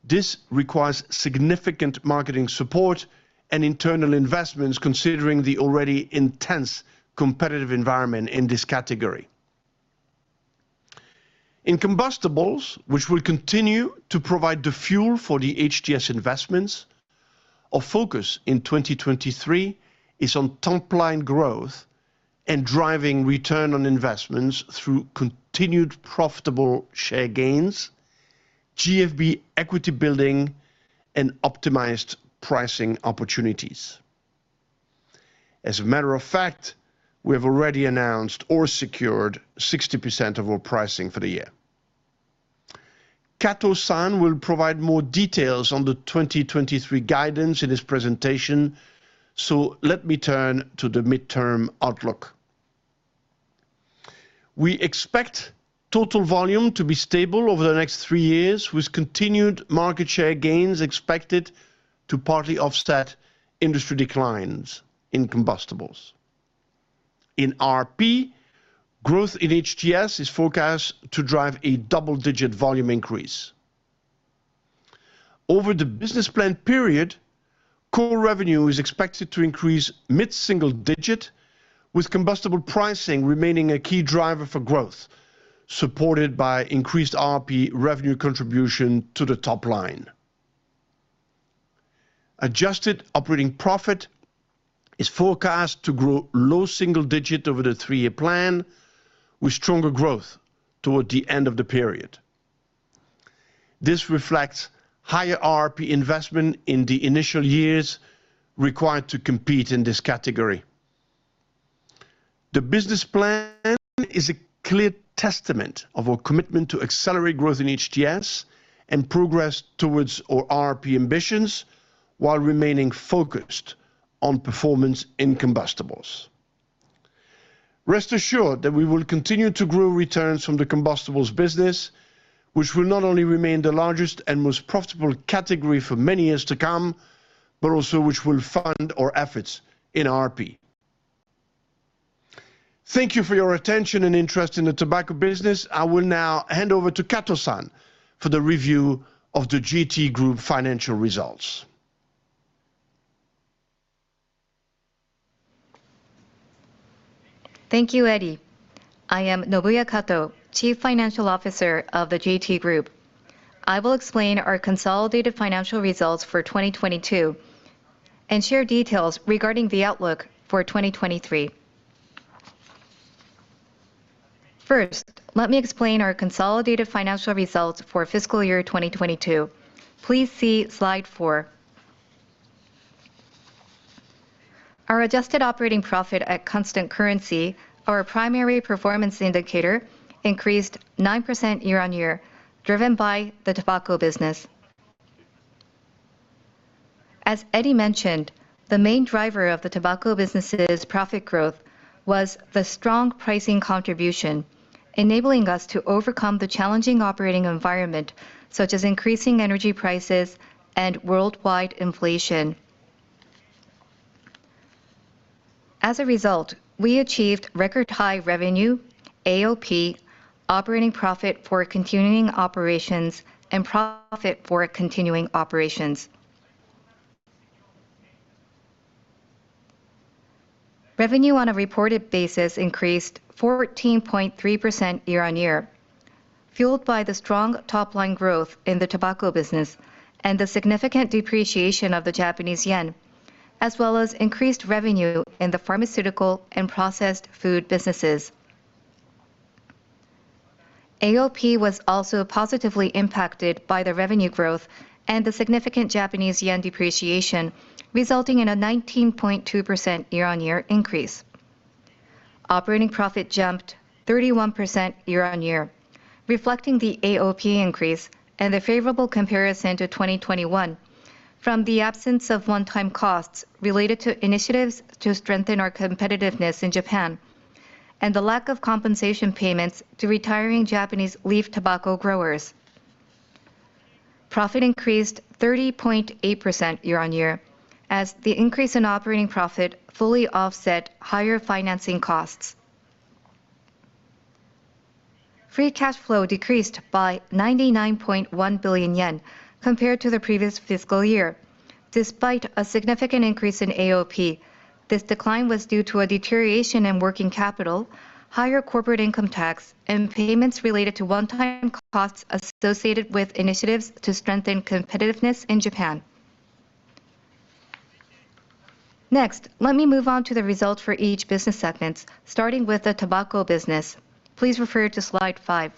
This requires significant marketing support and internal investments considering the already intense competitive environment in this category. In combustibles, which will continue to provide the fuel for the HTS investments, our focus in 2023 is on top line growth and driving return on investments through continued profitable share gains, GFB equity building, and optimized pricing opportunities. As a matter of fact, we have already announced or secured 60% of our pricing for the year. Kato-san will provide more details on the 2023 guidance in his presentation, let me turn to the midterm outlook. We expect total volume to be stable over the next three years, with continued market share gains expected to partly offset industry declines in combustibles. In RRP, growth in HTS is forecast to drive a double-digit volume increase. Over the business plan period, core revenue is expected to increase mid-single digit, with combustible pricing remaining a key driver for growth, supported by increased RRP revenue contribution to the top line. Adjusted operating profit is forecast to grow low single digit over the three-year plan, with stronger growth toward the end of the period. This reflects higher RP investment in the initial years required to compete in this category. The business plan is a clear testament of our commitment to accelerate growth in HTS and progress towards our RP ambitions while remaining focused on performance in combustibles. Rest assured that we will continue to grow returns from the combustibles business, which will not only remain the largest and most profitable category for many years to come, but also which will fund our efforts in RP. Thank you for your attention and interest in the tobacco business. I will now hand over to Kato-san for the review of the JT Group financial results. Thank you, Eddy. I am Nobuya Kato, Chief Financial Officer of the JT Group. I will explain our consolidated financial results for 2022 and share details regarding the outlook for 2023. First, let me explain our consolidated financial results for fiscal year 2022. Please see slide four. Our adjusted operating profit at constant currency, our primary performance indicator, increased 9% year-on-year, driven by the tobacco business. As Eddy mentioned, the main driver of the tobacco business' profit growth was the strong pricing contribution, enabling us to overcome the challenging operating environment, such as increasing energy prices and worldwide inflation. As a result, we achieved record high revenue, AOP, operating profit for continuing operations, and profit for continuing operations. Revenue on a reported basis increased 14.3% year-on-year, fueled by the strong top-line growth in the tobacco business and the significant depreciation of the Japanese yen, as well as increased revenue in the pharmaceutical and processed food businesses. AOP was also positively impacted by the revenue growth and the significant Japanese yen depreciation, resulting in a 19.2% year-on-year increase. Operating profit jumped 31% year-on-year, reflecting the AOP increase and the favorable comparison to 2021 from the absence of one-time costs related to initiatives to strengthen our competitiveness in Japan and the lack of compensation payments to retiring Japanese leaf tobacco growers. Profit increased 30.8% year-on-year as the increase in operating profit fully offset higher financing costs. Free cash flow decreased by 99.1 billion yen compared to the previous fiscal year. Despite a significant increase in AOP, this decline was due to a deterioration in working capital, higher corporate income tax, and payments related to one-time costs associated with initiatives to strengthen competitiveness in Japan. Let me move on to the results for each business segment, starting with the tobacco business. Please refer to slide five.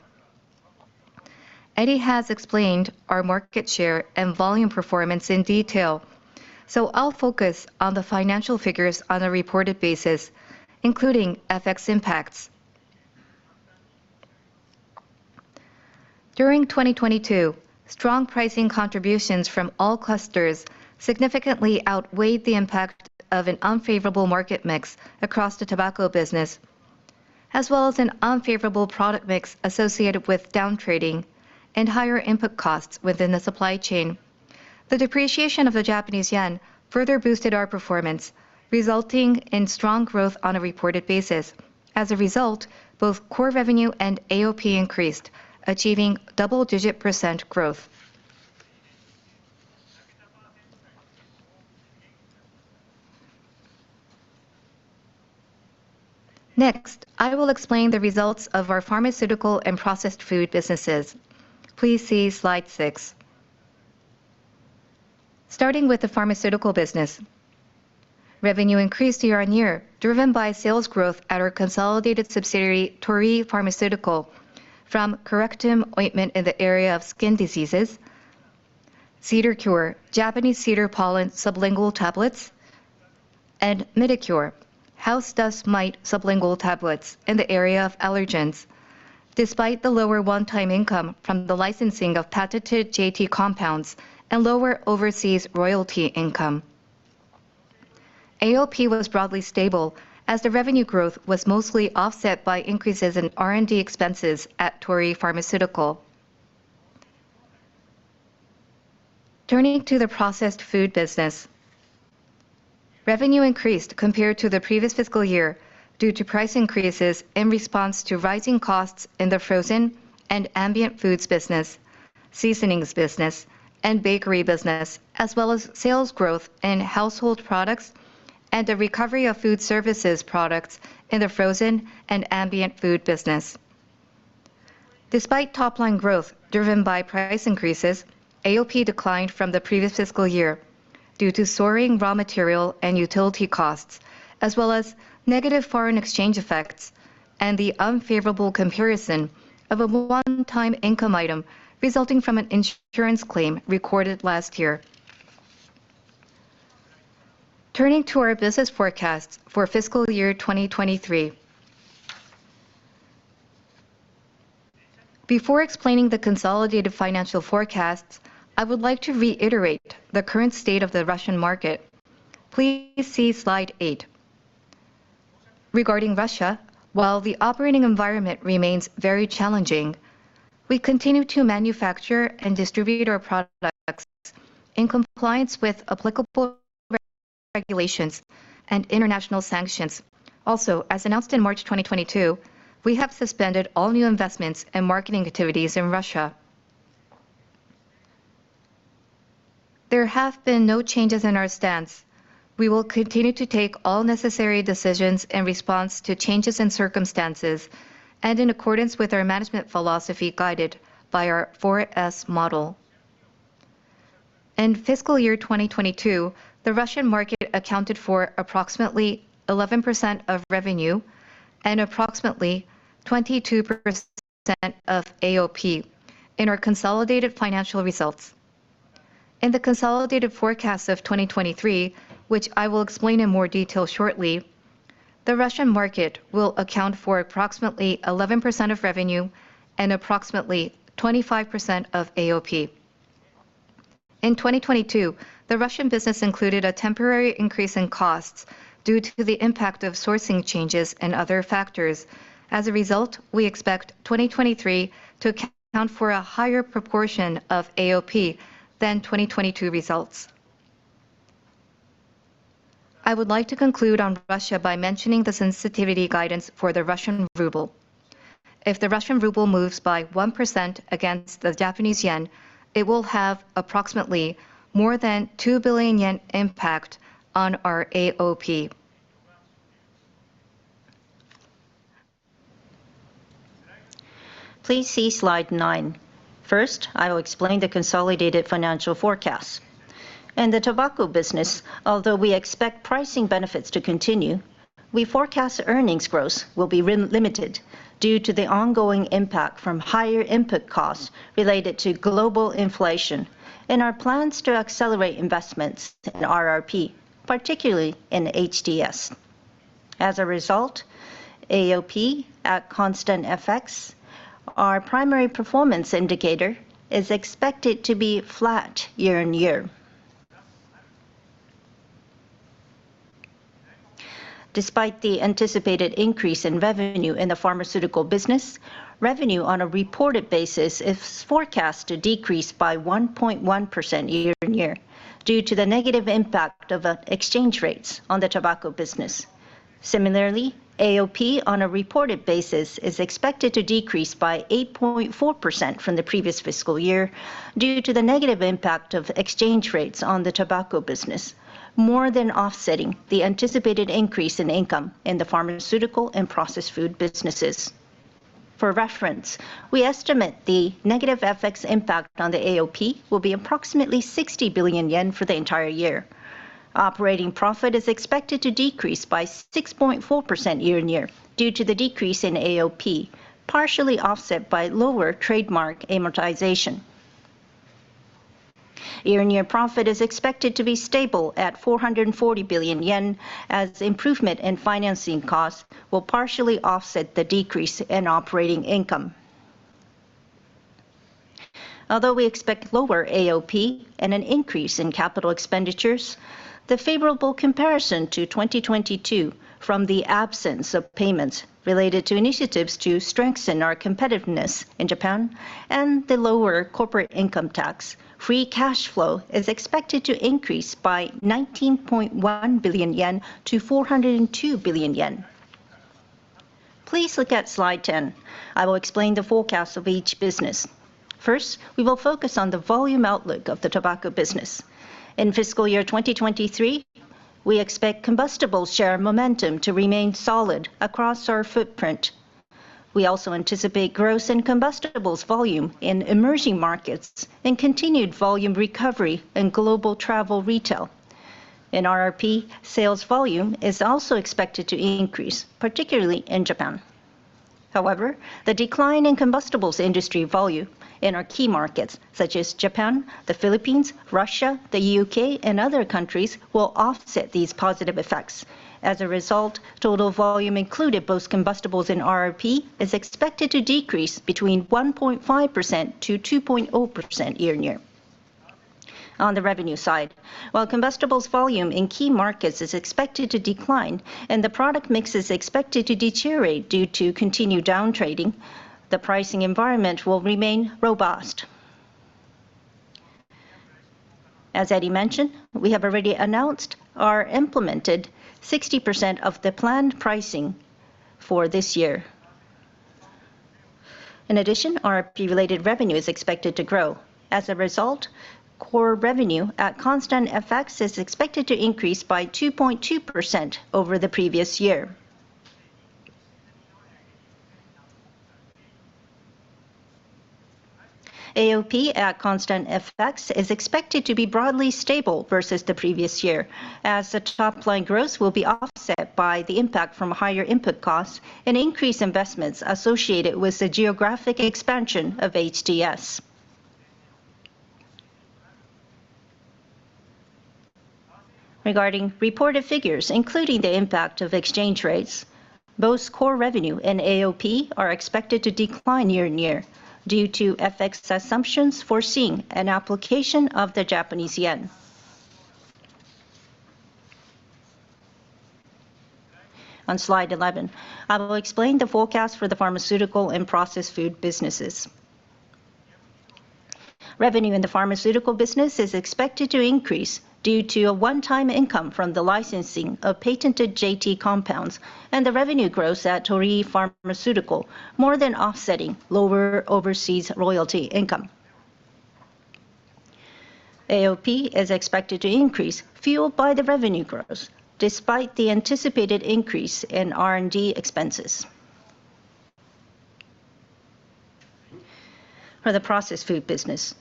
Eddy has explained our market share and volume performance in detail, so I'll focus on the financial figures on a reported basis, including FX impacts. During 2022, strong pricing contributions from all clusters significantly outweighed the impact of an unfavorable market mix across the tobacco business, as well as an unfavorable product mix associated with down trading and higher input costs within the supply chain. The depreciation of the Japanese yen further boosted our performance, resulting in strong growth on a reported basis. As a result, both core revenue and AOP increased, achieving double-digit percentage growth. Next, I will explain the results of our pharmaceutical and processed food businesses. Please see slide six. Starting with the pharmaceutical business, revenue increased year-on-year, driven by sales growth at our consolidated subsidiary, Torii Pharmaceutical, from CORECTIM Ointment in the area of skin diseases, CEDARCURE, Japanese cedar pollen sublingual tablets, and MITICURE, house dust mite sublingual tablets in the area of allergens despite the lower one-time income from the licensing of patented JT compounds and lower overseas royalty income. AOP was broadly stable as the revenue growth was mostly offset by increases in R&D expenses at Torii Pharmaceutical. Turning to the processed food business, revenue increased compared to the previous fiscal year due to price increases in response to rising costs in the frozen and ambient foods business, seasonings business, and bakery business, as well as sales growth in household products and a recovery of food services products in the frozen and ambient food business. Despite top-line growth driven by price increases, AOP declined from the previous fiscal year due to soaring raw material and utility costs, as well as negative foreign exchange effects and the unfavorable comparison of a one-time income item resulting from an insurance claim recorded last year. Turning to our business forecasts for fiscal year 2023. Before explaining the consolidated financial forecasts, I would like to reiterate the current state of the Russian market. Please see slide eight. Regarding Russia, while the operating environment remains very challenging, we continue to manufacture and distribute our products in compliance with applicable regulations and international sanctions. Also, as announced in March 2022, we have suspended all new investments and marketing activities in Russia. There have been no changes in our stance. We will continue to take all necessary decisions in response to changes in circumstances and in accordance with our management philosophy guided by our 4S model. In fiscal year 2022, the Russian market accounted for approximately 11% of revenue and approximately 22% of AOP in our consolidated financial results. In the consolidated forecast of 2023, which I will explain in more detail shortly, the Russian market will account for approximately 11% of revenue and approximately 25% of AOP. In 2022, the Russian business included a temporary increase in costs due to the impact of sourcing changes and other factors. As a result, we expect 2023 to account for a higher proportion of AOP than 2022 results. I would like to conclude on Russia by mentioning the sensitivity guidance for the Russian ruble. If the Russian ruble moves by 1% against the Japanese yen, it will have approximately more than 2 billion yen impact on our AOP. Please see slide nine. First, I will explain the consolidated financial forecast. In the tobacco business, although we expect pricing benefits to continue, we forecast earnings growth will be limited due to the ongoing impact from higher input costs related to global inflation and our plans to accelerate investments in RRP, particularly in HTS. As a result, AOP at constant FX, our primary performance indicator, is expected to be flat year-on-year. Despite the anticipated increase in revenue in the pharmaceutical business, revenue on a reported basis is forecast to decrease by 1.1% year-on-year due to the negative impact of exchange rates on the tobacco business. Similarly, AOP on a reported basis is expected to decrease by 8.4% from the previous fiscal year due to the negative impact of exchange rates on the tobacco business, more than offsetting the anticipated increase in income in the pharmaceutical and processed food businesses. For reference, we estimate the negative FX impact on the AOP will be approximately 60 billion yen for the entire year. Operating profit is expected to decrease by 6.4% year-on-year due to the decrease in AOP, partially offset by lower trademark amortization. Year-on-year profit is expected to be stable at 440 billion yen as improvement in financing costs will partially offset the decrease in operating income. Although we expect lower AOP and an increase in capital expenditures, the favorable comparison to 2022 from the absence of payments related to initiatives to strengthen our competitiveness in Japan and the lower corporate income tax, free cash flow is expected to increase by 19.1 billion yen to 402 billion yen. Please look at slide 10. I will explain the forecast of each business. First, we will focus on the volume outlook of the tobacco business. In fiscal year 2023, we expect combustible share momentum to remain solid across our footprint. We also anticipate growth in combustibles volume in emerging markets and continued volume recovery in global travel retail. In RRP, sales volume is also expected to increase, particularly in Japan. The decline in combustibles industry volume in our key markets such as Japan, the Philippines, Russia, the UK, and other countries will offset these positive effects. Total volume included both combustibles and RRP, is expected to decrease between 1.5%-2.0% year-on-year. On the revenue side, while combustibles volume in key markets is expected to decline and the product mix is expected to deteriorate due to continued down trading, the pricing environment will remain robust. As Eddy mentioned, we have already announced or implemented 60% of the planned pricing for this year. RP-related revenue is expected to grow. Core revenue at constant FX is expected to increase by 2.2% over the previous year. AOP at constant FX is expected to be broadly stable versus the previous year, as the top-line growth will be offset by the impact from higher input costs and increased investments associated with the geographic expansion of HTS. Regarding reported figures, including the impact of exchange rates, both core revenue and AOP are expected to decline year-on-year due to FX assumptions foreseeing an application of the Japanese yen. On slide 11, I will explain the forecast for the pharmaceutical and processed food businesses. Revenue in the pharmaceutical business is expected to increase due to a one-time income from the licensing of patented JT compounds and the revenue growth at Torii Pharmaceutical, more than offsetting lower overseas royalty income. AOP is expected to increase, fueled by the revenue growth, despite the anticipated increase in R&D expenses. For the processed food business,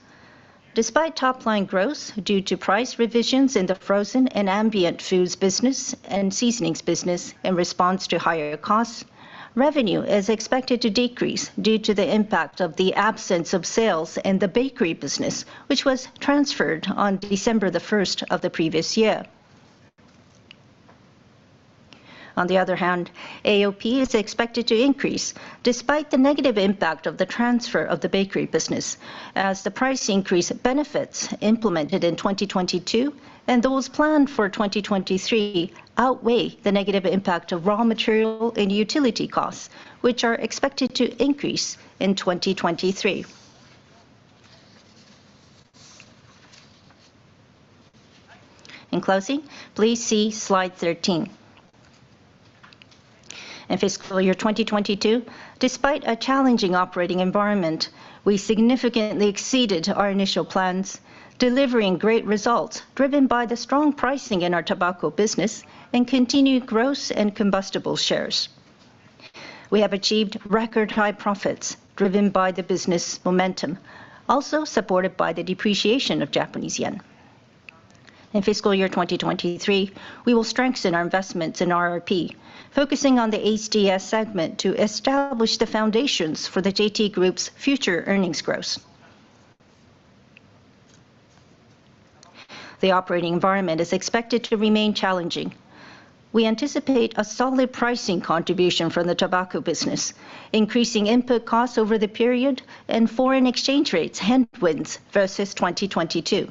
despite top line growth due to price revisions in the frozen and ambient foods business and seasonings business in response to higher costs, revenue is expected to decrease due to the impact of the absence of sales in the bakery business, which was transferred on December 1st of the previous year. AOP is expected to increase despite the negative impact of the transfer of the bakery business as the price increase benefits implemented in 2022 and those planned for 2023 outweigh the negative impact of raw material and utility costs, which are expected to increase in 2023. Please see slide 13. In fiscal year 2022, despite a challenging operating environment, we significantly exceeded our initial plans, delivering great results driven by the strong pricing in our tobacco business and continued growth in combustible shares. We have achieved record high profits driven by the business momentum, also supported by the depreciation of Japanese yen. In fiscal year 2023, we will strengthen our investments in RRP, focusing on the HTS segment to establish the foundations for the JT Group's future earnings growth. The operating environment is expected to remain challenging. We anticipate a solid pricing contribution from the tobacco business, increasing input costs over the period and foreign exchange rates headwinds versus 2022.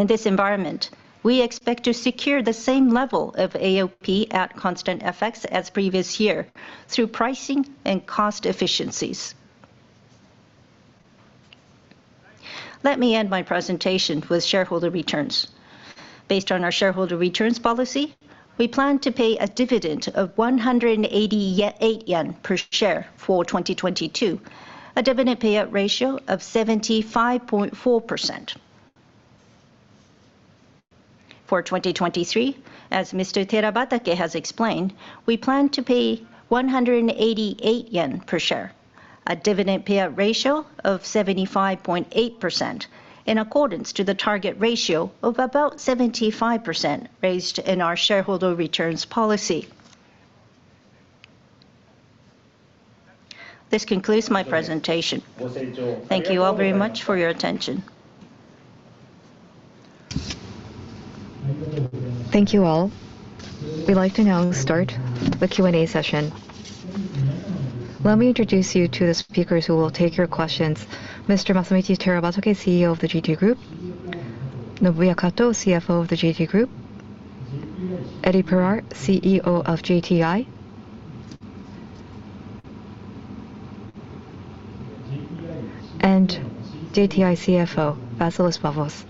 In this environment, we expect to secure the same level of AOP at constant FX as previous year through pricing and cost efficiencies. Let me end my presentation with shareholder returns. Based on our shareholder returns policy, we plan to pay a dividend of 188 yen per share for 2022, a dividend payout ratio of 75.4%. For 2023, as Mr. Terabatake has explained, we plan to pay 188 yen per share, a dividend payout ratio of 75.8% in accordance to the target ratio of about 75% raised in our shareholder returns policy. This concludes my presentation. Thank you all very much for your attention. Thank you all. We'd like to now start the Q&A session. Let me introduce you to the speakers who will take your questions. Mr. Masamichi Terabatake, CEO of the JT Group. Nobuya Kato, CFO of the JT Group. Eddy Pirard, CEO of JTI. JTI CFO, Vassilis Vovos.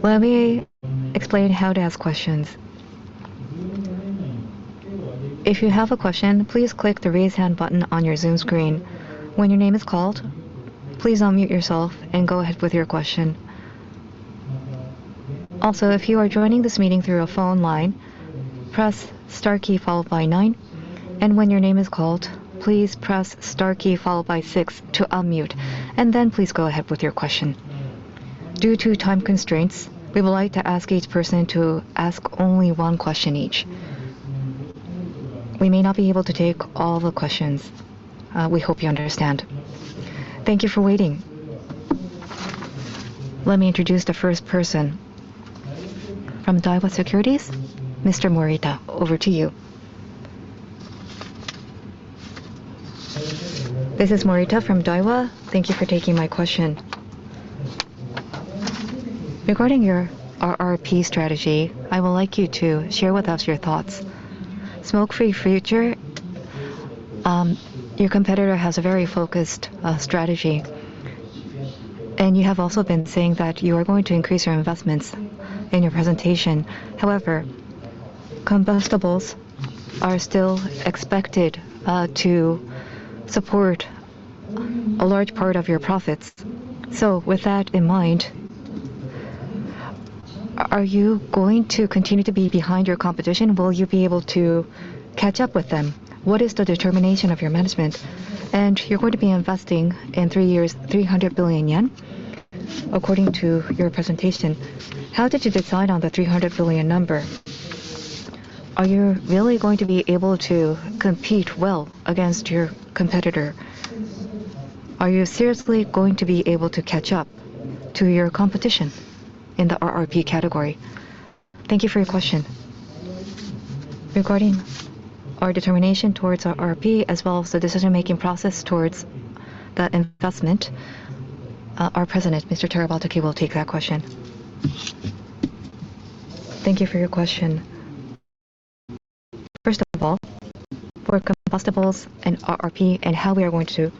Let me explain how to ask questions. If you have a question, please click the Raise Hand button on your Zoom screen. When your name is called, please unmute yourself and go ahead with your question. If you are joining this meeting through a phone line, press star key followed by nine, and when your name is called, please press star key followed by six to unmute, and then please go ahead with your question. Due to time constraints, we would like to ask each person to ask only one question each. We may not be able to take all the questions. We hope you understand. Thank you for waiting. Let me introduce the first person. From Daiwa Securities, Mr. Morita, over to you. This is Morita from Daiwa. Thank you for taking my question. Regarding your RRP strategy, I would like you to share with us your thoughts. Smoke-free future, your competitor has a very focused strategy, and you have also been saying that you are going to increase your investments in your presentation. However, combustibles are still expected to support a large part of your profits. With that in mind, are you going to continue to be behind your competition? Will you be able to catch up with them? What is the determination of your management? You're going to be investing in three years, 300 billion yen, according to your presentation. How did you decide on the 300 billion number? Are you really going to be able to compete well against your competitor? Are you seriously going to be able to catch up to your competition in the RRP category? Thank you for your question. Regarding our determination towards RRP as well as the decision-making process towards that investment, our President, Mr. Terabatake, will take that question. Thank you for your question. First of all, for combustibles and RRP and how we are going to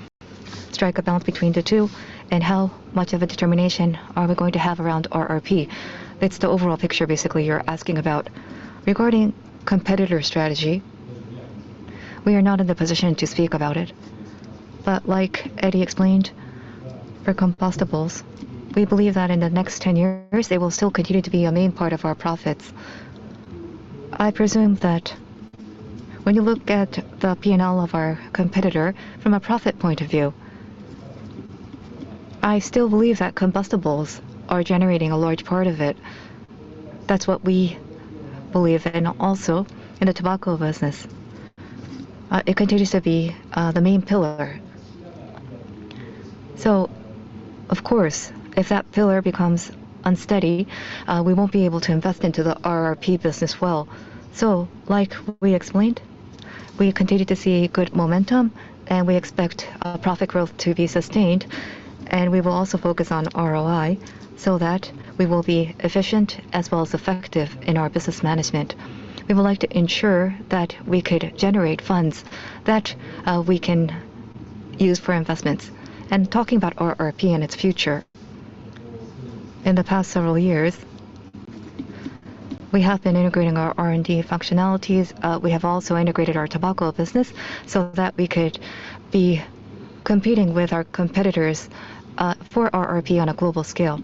strike a balance between the two and how much of a determination are we going to have around RRP, that's the overall picture basically you're asking about. Regarding competitor strategy, we are not in the position to speak about it. Like Eddy explained, for combustibles, we believe that in the next 10 years, they will still continue to be a main part of our profits. I presume that when you look at the P&L of our competitor from a profit point of view, I still believe that combustibles are generating a large part of it. That's what we believe. Also in the tobacco business, it continues to be the main pillar. Of course, if that pillar becomes unsteady, we won't be able to invest into the RRP business well. Like we explained, we continue to see good momentum, and we expect profit growth to be sustained. We will also focus on ROI so that we will be efficient as well as effective in our business management. We would like to ensure that we could generate funds that we can use for investments. Talking about RRP and its future, in the past several years, we have been integrating our R&D functionalities. We have also integrated our tobacco business so that we could be competing with our competitors for RRP on a global scale.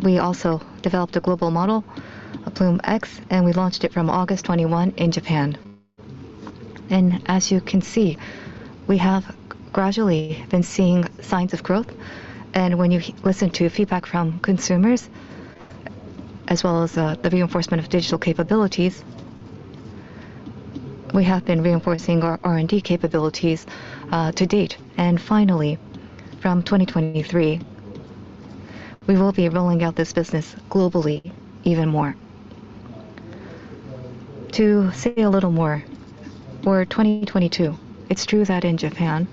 We also developed a global model, Ploom X, and we launched it from August 2021 in Japan. As you can see, we have gradually been seeing signs of growth. When you listen to feedback from consumers as well as the reinforcement of digital capabilities, we have been reinforcing our R&D capabilities to date. Finally, from 2023, we will be rolling out this business globally even more. To say a little more, for 2022, it's true that in Japan,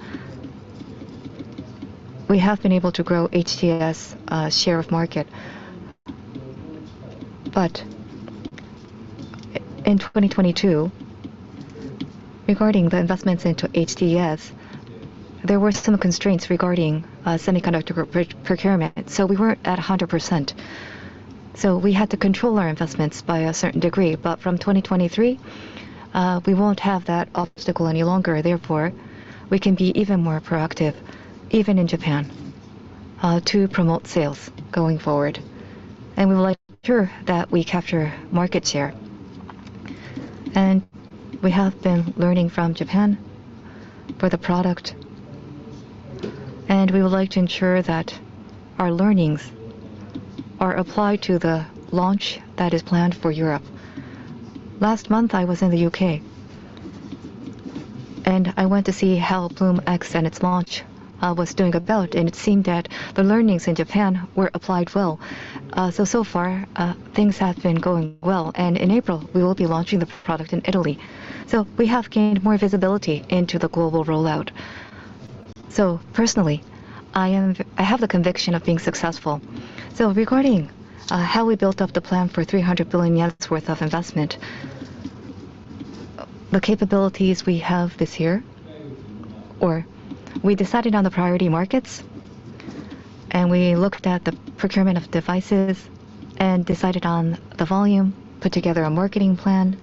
we have been able to grow HTS share of market. In 2022, regarding the investments into HTS, there were some constraints regarding semiconductor procurement, so we weren't at 100%. We had to control our investments by a certain degree. From 2023, we won't have that obstacle any longer, therefore, we can be even more proactive, even in Japan to promote sales going forward. We would like to ensure that we capture market share. We have been learning from Japan for the product, and we would like to ensure that our learnings are applied to the launch that is planned for Europe. Last month, I was in the U.K. and I went to see how Ploom X and its launch was doing about, and it seemed that the learnings in Japan were applied well. So far, things have been going well. In April, we will be launching the product in Italy. We have gained more visibility into the global rollout. Personally, I have the conviction of being successful. Regarding how we built up the plan for 300 billion yen worth of investment, the capabilities we have this year, or we decided on the priority markets, and we looked at the procurement of devices and decided on the volume, put together a marketing plan,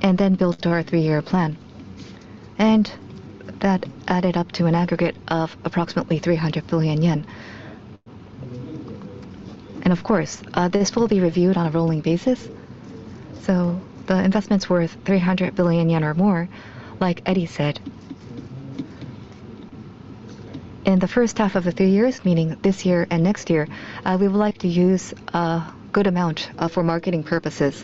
and then built our three-year plan. That added up to an aggregate of approximately 300 billion yen. Of course, this will be reviewed on a rolling basis. The investments worth 300 billion yen or more, like Eddy said. In the first half of the three years, meaning this year and next year, we would like to use a good amount for marketing purposes.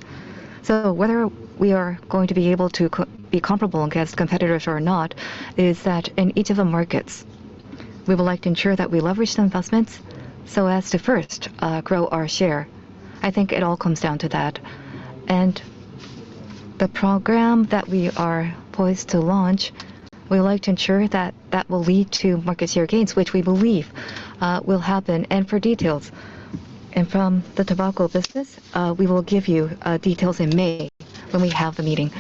Whether we are going to be able to be comparable against competitors or not is that in each of the markets, we would like to ensure that we leverage the investments so as to first, grow our share. I think it all comes down to that. The program that we are poised to launch, we would like to ensure that that will lead to market share gains, which we believe, will happen. For details, and from the tobacco business, we will give you details in May when we have the meeting.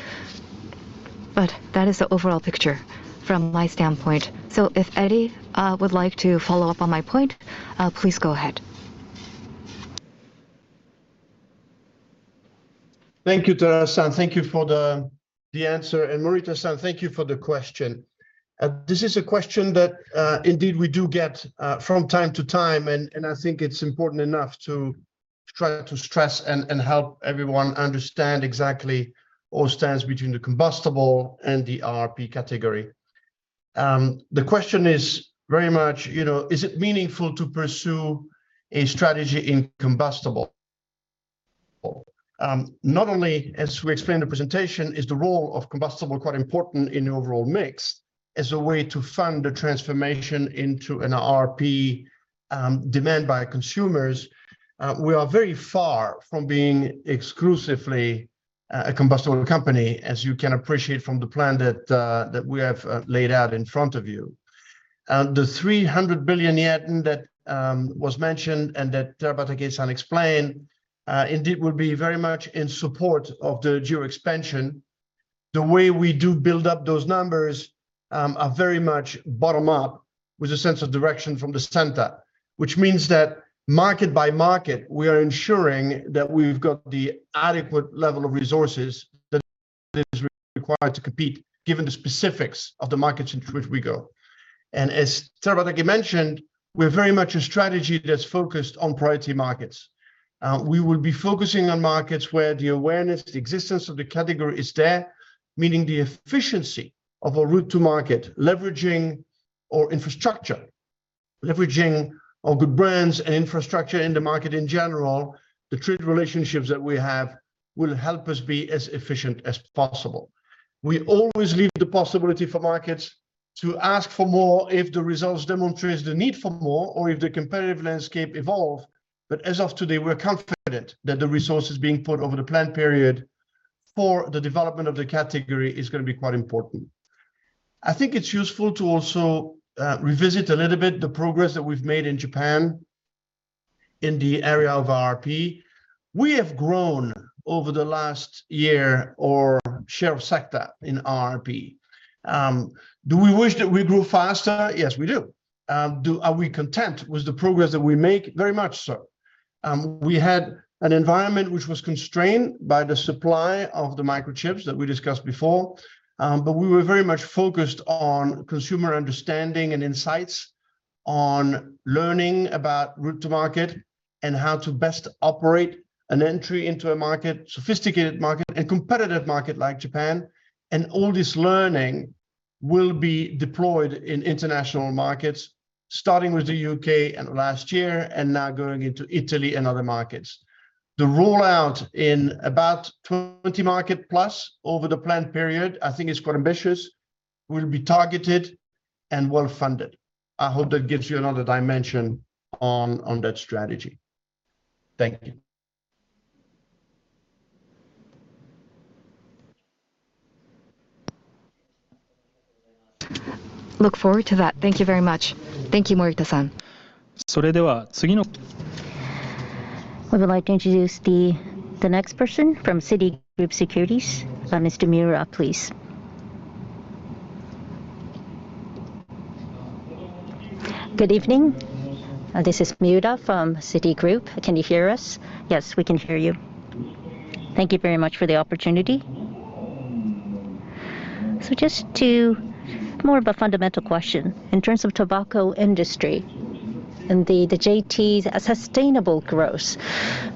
That is the overall picture from my standpoint. If Eddy would like to follow up on my point, please go ahead. Thank you, Terabatake-san. Thank you for the answer. Morita-san, thank you for the question. This is a question that indeed we do get from time to time and I think it's important enough to try to stress and help everyone understand exactly all stands between the combustible and the RP category. The question is very much, you know, is it meaningful to pursue a strategy in combustible? Not only as we explained the presentation is the role of combustible quite important in the overall mix as a way to fund the transformation into an RP demand by consumers. We are very far from being exclusively a combustible company, as you can appreciate from the plan that we have laid out in front of you. The 300 billion yen that was mentioned and that Terabatake-san explained, indeed will be very much in support of the geo expansion. The way we do build up those numbers are very much bottom up with a sense of direction from the center, which means that market by market, we are ensuring that we've got the adequate level of resources that is required to compete given the specifics of the markets into which we go. As Terabatake mentioned, we're very much a strategy that's focused on priority markets. We will be focusing on markets where the awareness, the existence of the category is there, meaning the efficiency of a route to market, leveraging our infrastructure, leveraging our good brands and infrastructure in the market in general. The trade relationships that we have will help us be as efficient as possible. We always leave the possibility for markets to ask for more if the results demonstrates the need for more or if the competitive landscape evolve. As of today, we're confident that the resources being put over the planned period for the development of the category is gonna be quite important. I think it's useful to also revisit a little bit the progress that we've made in Japan in the area of RP. We have grown over the last year our share of sector in RP. Do we wish that we grew faster? Yes, we do. Are we content with the progress that we make? Very much so. We had an environment which was constrained by the supply of the microchips that we discussed before. We were very much focused on consumer understanding and insights, on learning about route to market and how to best operate an entry into a market, sophisticated market and competitive market like Japan. All this learning will be deployed in international markets, starting with the U.K. and last year and now going into Italy and other markets. The rollout in about 20 market plus over the planned period, I think is quite ambitious, will be targeted and well-funded. I hope that gives you another dimension on that strategy. Thank you. Look forward to that. Thank you very much. Thank you, Morita-san. We would like to introduce the next person from Citigroup Securities, Mr. Miura, please. Good evening. This is Miura from Citigroup. Can you hear us? Yes, we can hear you. Thank you very much for the opportunity. Just to more of a fundamental question. In terms of tobacco industry and JT's sustainable growth,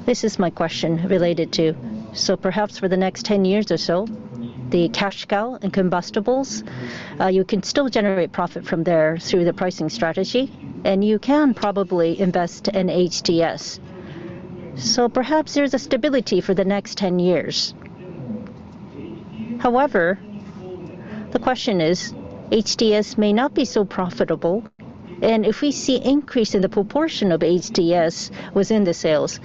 this is my question related to. Perhaps for the next 10 years or so, the cash cow in combustibles, you can still generate profit from there through the pricing strategy, and you can probably invest in HTS. Perhaps there's a stability for the next 10 years. However, the question is, HTS may not be so profitable, and if we see increase in the proportion of HTS within the sales.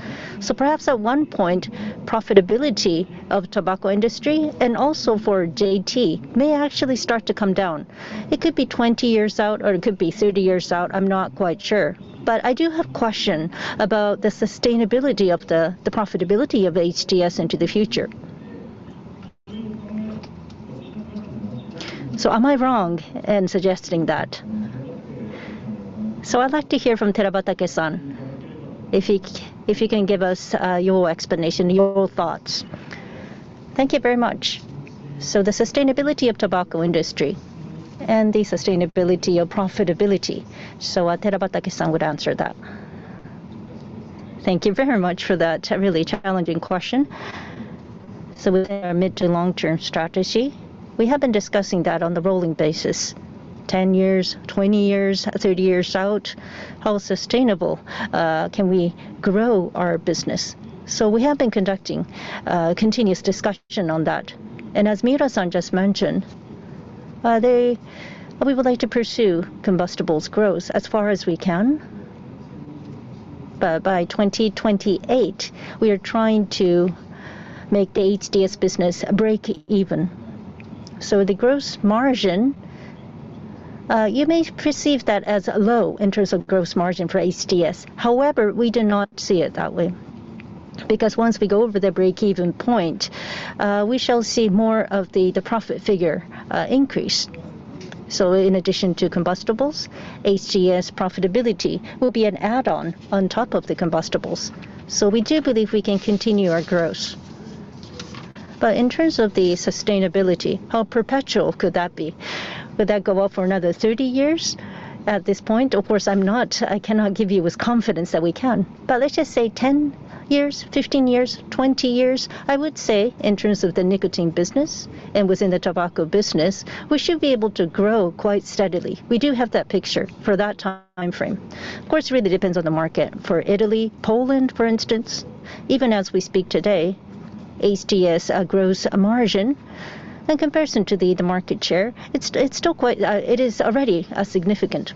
Perhaps at one point, profitability of tobacco industry and also for JT may actually start to come down. It could be 20 years out or it could be 30 years out, I'm not quite sure. I do have question about the sustainability of the profitability of HTS into the future. Am I wrong in suggesting that? I'd like to hear from Terabatake-san if he can give us your explanation, your thoughts. Thank you very much. The sustainability of tobacco industry and the sustainability or profitability, so, Terabatake-san would answer that. Thank you very much for that really challenging question. Within our mid to long-term strategy, we have been discussing that on the rolling basis, 10 years, 20 years, 30 years out, how sustainable can we grow our business? We have been conducting a continuous discussion on that. As Miura-san just mentioned, we would like to pursue combustibles growth as far as we can. By 2028, we are trying to make the HTS business break even. The gross margin, you may perceive that as low in terms of gross margin for HTS. However, we do not see it that way, because once we go over the break-even point, we shall see more of the profit figure increase. In addition to combustibles, HTS profitability will be an add-on on top of the combustibles. We do believe we can continue our growth. In terms of the sustainability, how perpetual could that be? Would that go on for another 30 years at this point? Of course, I cannot give you with confidence that we can. Let's just say 10 years, 15 years, 20 years, I would say in terms of the nicotine business and within the tobacco business, we should be able to grow quite steadily. We do have that picture for that time frame. Of course, it really depends on the market. For Italy, Poland, for instance, even as we speak today, HTS gross margin in comparison to the market share, it's still quite, it is already significant.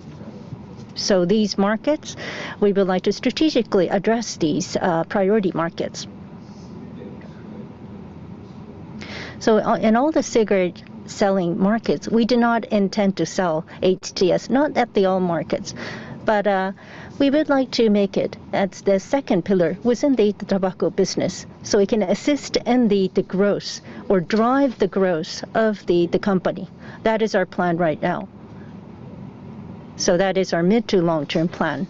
These markets, we would like to strategically address these priority markets. In all the cigarette selling markets, we do not intend to sell HTS, not at the all markets. We would like to make it as the second pillar within the tobacco business, so we can assist in the growth or drive the growth of the company. That is our plan right now. That is our mid to long-term plan.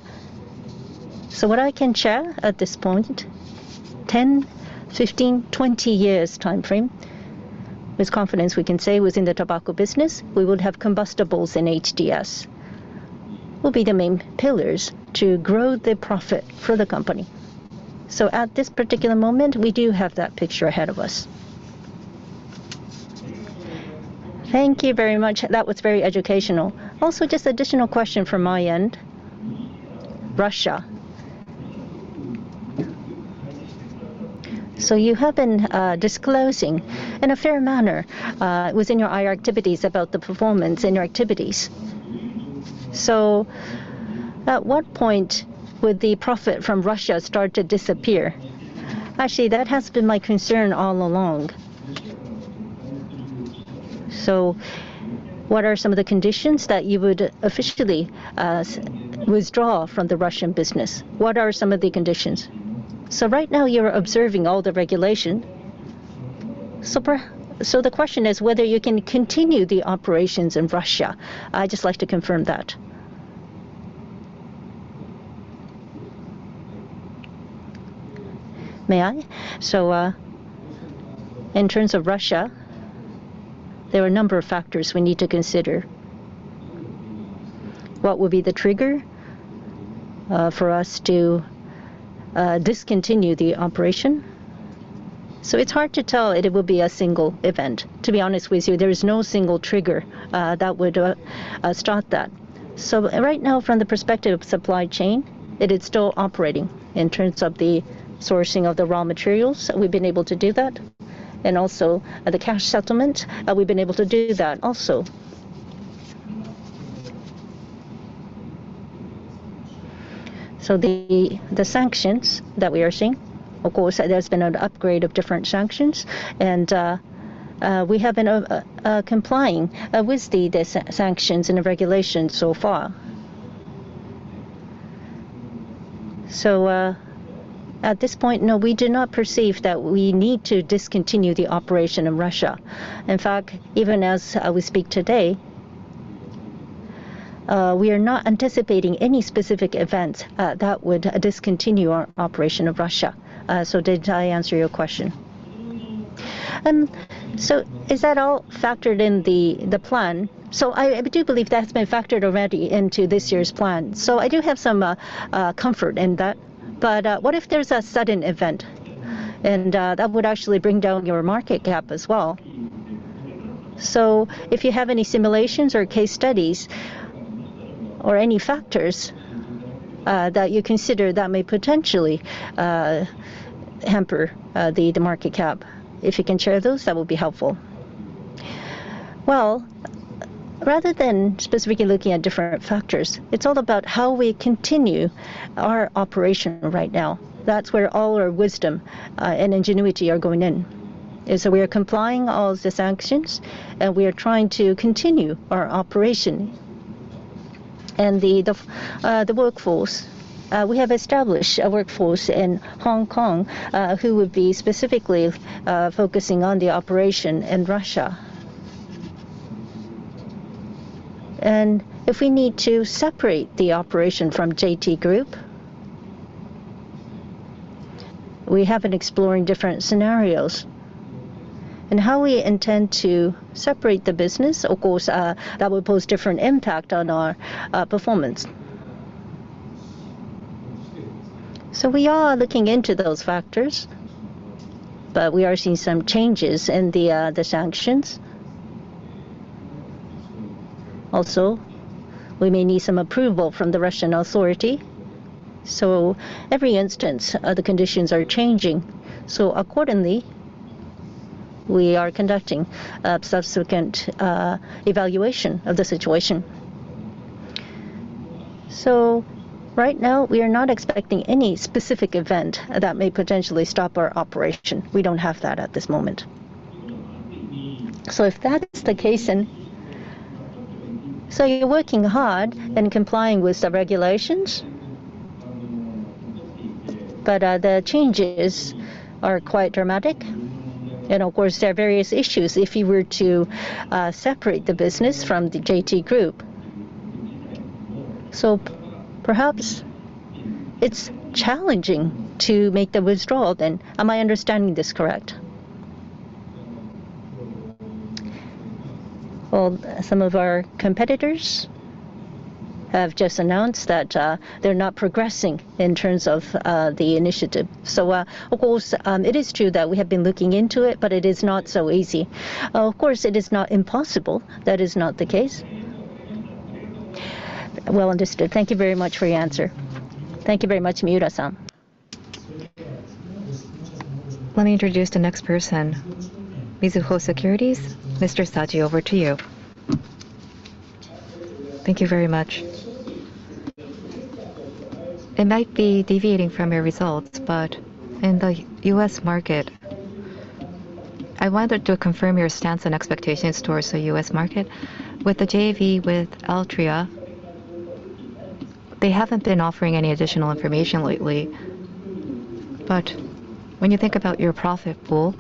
What I can share at this point, 10 years, 15 years, 20 years time frame, with confidence we can say within the tobacco business, we would have combustibles and HTS will be the main pillars to grow the profit for the company. At this particular moment, we do have that picture ahead of us. Thank you very much. Thank you very much. That was very educational. Just additional question from my end. Russia. You have been disclosing in a fair manner within your IR activities about the performance in your activities. At what point would the profit from Russia start to disappear? Actually, that has been my concern all along. What are some of the conditions that you would officially withdraw from the Russian business? What are some of the conditions? Right now you're observing all the regulation. The question is whether you can continue the operations in Russia. I'd just like to confirm that. May I? In terms of Russia, there are a number of factors we need to consider. What will be the trigger for us to discontinue the operation? It's hard to tell it will be a single event, to be honest with you. There is no single trigger that would start that. Right now, from the perspective of supply chain, it is still operating in terms of the sourcing of the raw materials. We've been able to do that. The cash settlement, we've been able to do that also. The sanctions that we are seeing, of course, there's been an upgrade of different sanctions, and we have been complying with the sanctions and the regulations so far. At this point, no, we do not perceive that we need to discontinue the operation in Russia. Even as we speak today, we are not anticipating any specific event that would discontinue our operation of Russia. Did I answer your question? Is that all factored in the plan? I do believe that's been factored already into this year's plan. I do have some comfort in that. What if there's a sudden event and that would actually bring down your market cap as well? If you have any simulations or case studies or any factors that you consider that may potentially hamper the market cap, if you can share those, that would be helpful. Rather than specifically looking at different factors, it's all about how we continue our operation right now. That's where all our wisdom and ingenuity are going in. We are complying all the sanctions, and we are trying to continue our operation. The workforce we have established a workforce in Hong Kong who would be specifically focusing on the operation in Russia. If we need to separate the operation from JT Group, we have been exploring different scenarios. How we intend to separate the business, of course, that would pose different impact on our performance. We are looking into those factors, but we are seeing some changes in the sanctions. We may need some approval from the Russian authority. Every instance, the conditions are changing. Accordingly, we are conducting a subsequent evaluation of the situation. Right now we are not expecting any specific event that may potentially stop our operation. We don't have that at this moment. If that's the case then. You're working hard and complying with the regulations, but the changes are quite dramatic, and of course, there are various issues if you were to separate the business from the JT Group. Perhaps it's challenging to make the withdrawal then. Am I understanding this correct? Well, some of our competitors have just announced that they're not progressing in terms of the initiative. Of course, it is true that we have been looking into it, but it is not so easy. Of course, it is not impossible. That is not the case. Well understood. Thank you very much for your answer. Thank you very much, Miura-san. Let me introduce the next person. Mizuho Securities, Mr. Saji, over to you. Thank you very much. It might be deviating from your results, but in the US market, I wanted to confirm your stance and expectations towards the US market. With the JV with Altria, they haven't been offering any additional information lately. When you think about your profit pool,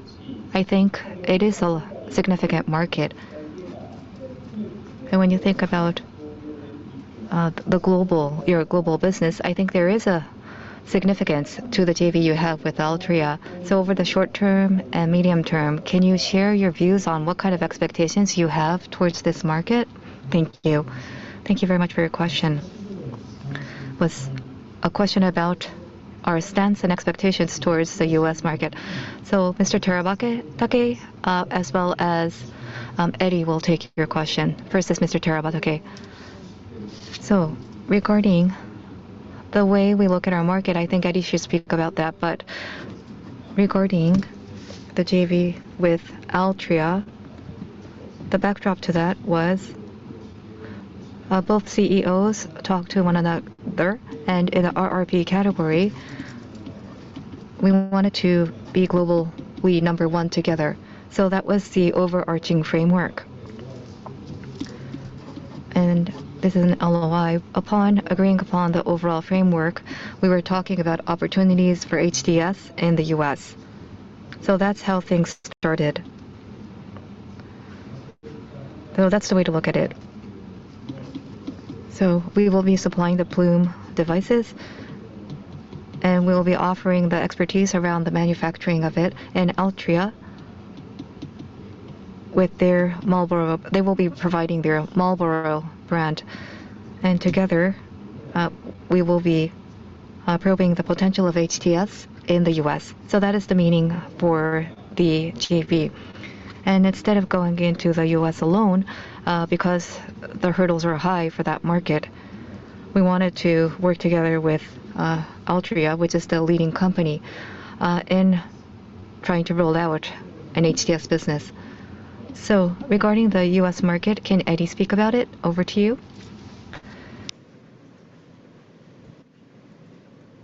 I think it is a significant market. When you think about your global business, I think there is a significance to the JV you have with Altria. Over the short term and medium term, can you share your views on what kind of expectations you have towards this market? Thank you. Thank you very much for your question. Was a question about our stance and expectations towards the US market. Mr. Terabatake, as well as Eddy will take your question. First is Mr. Terabatake. Regarding the way we look at our market, I think Eddy should speak about that. Regarding the JV with Altria, the backdrop to that was both CEOs talked to one another, and in the RRP category, we wanted to be global, we number one together. That was the overarching framework. This is an LOI. Upon agreeing upon the overall framework, we were talking about opportunities for HTS in the U.S. That's how things started. That's the way to look at it. We will be supplying the Ploom devices, and we will be offering the expertise around the manufacturing of it. Altria, with their Marlboro, they will be providing their Marlboro brand. Together, we will be probing the potential of HTS in the U.S. That is the meaning for the JV. Instead of going into the U.S. alone, because the hurdles are high for that market, we wanted to work together with Altria, which is the leading company in trying to roll out an HTS business. Regarding the U.S. market, can Eddy speak about it? Over to you.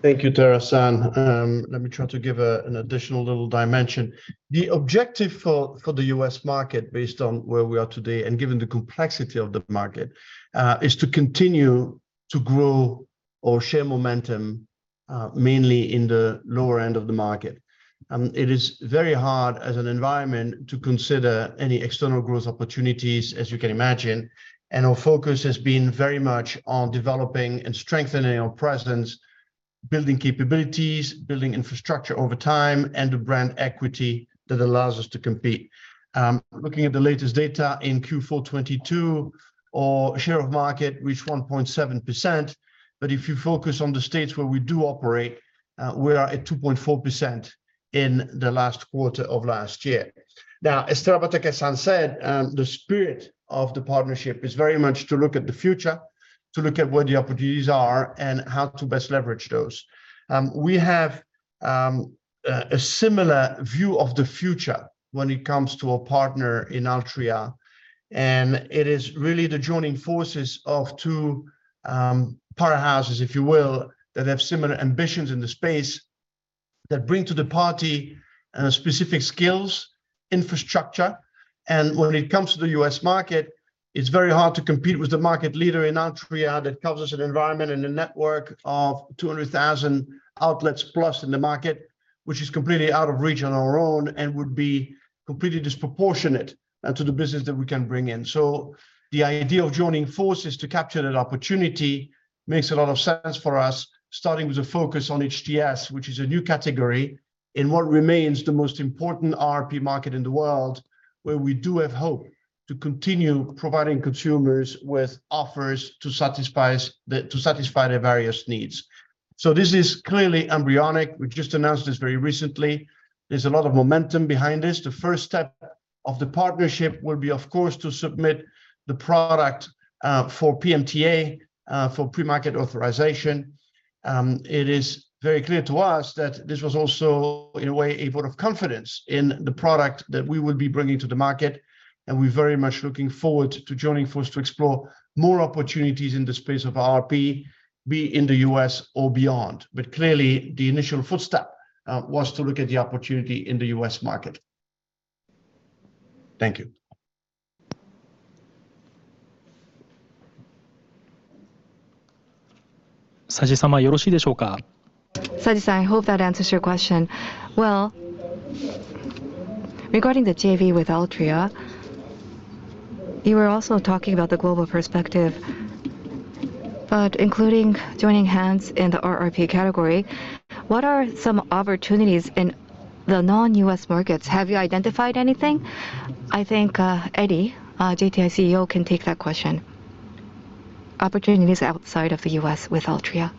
Thank you, Tera-san. Let me try to give an additional little dimension. The objective for the U.S. market based on where we are today and given the complexity of the market, is to continue to grow or share momentum, mainly in the lower end of the market. It is very hard as an environment to consider any external growth opportunities, as you can imagine. Our focus has been very much on developing and strengthening our presence, building capabilities, building infrastructure over time, and the brand equity that allows us to compete. Looking at the latest data in Q4 2022, our share of market reached 1.7%. If you focus on the states where we do operate, we are at 2.4% in the last quarter of last year. As Terabatake-san said, the spirit of the partnership is very much to look at the future, to look at what the opportunities are and how to best leverage those. We have a similar view of the future when it comes to a partner in Altria. It is really the joining forces of two powerhouses, if you will, that have similar ambitions in the space that bring to the party specific skills, infrastructure. When it comes to the U.S. market, it's very hard to compete with the market leader in Altria that covers us an environment and a network of 200,000 outlets+ in the market, which is completely out of reach on our own and would be completely disproportionate to the business that we can bring in. The idea of joining forces to capture that opportunity makes a lot of sense for us, starting with a focus on HTS, which is a new category in what remains the most important RRP market in the world, where we do have hope to continue providing consumers with offers to satisfy their various needs. This is clearly embryonic. We've just announced this very recently. There's a lot of momentum behind this. The first step of the partnership will be, of course, to submit the product for PMTA for pre-market authorization. It is very clear to us that this was also, in a way, a vote of confidence in the product that we will be bringing to the market, and we're very much looking forward to joining force to explore more opportunities in the space of RRP, be it in the US or beyond. Clearly, the initial footstep was to look at the opportunity in the U.S. market. Thank you. Saji-san, I hope that answers your question. Regarding the JV with Altria, you were also talking about the global perspective, but including joining hands in the RRP category, what are some opportunities in the non-U.S. markets? Have you identified anything? I think Eddy, our JTI CEO, can take that question. Opportunities outside of the U.S. with Altria.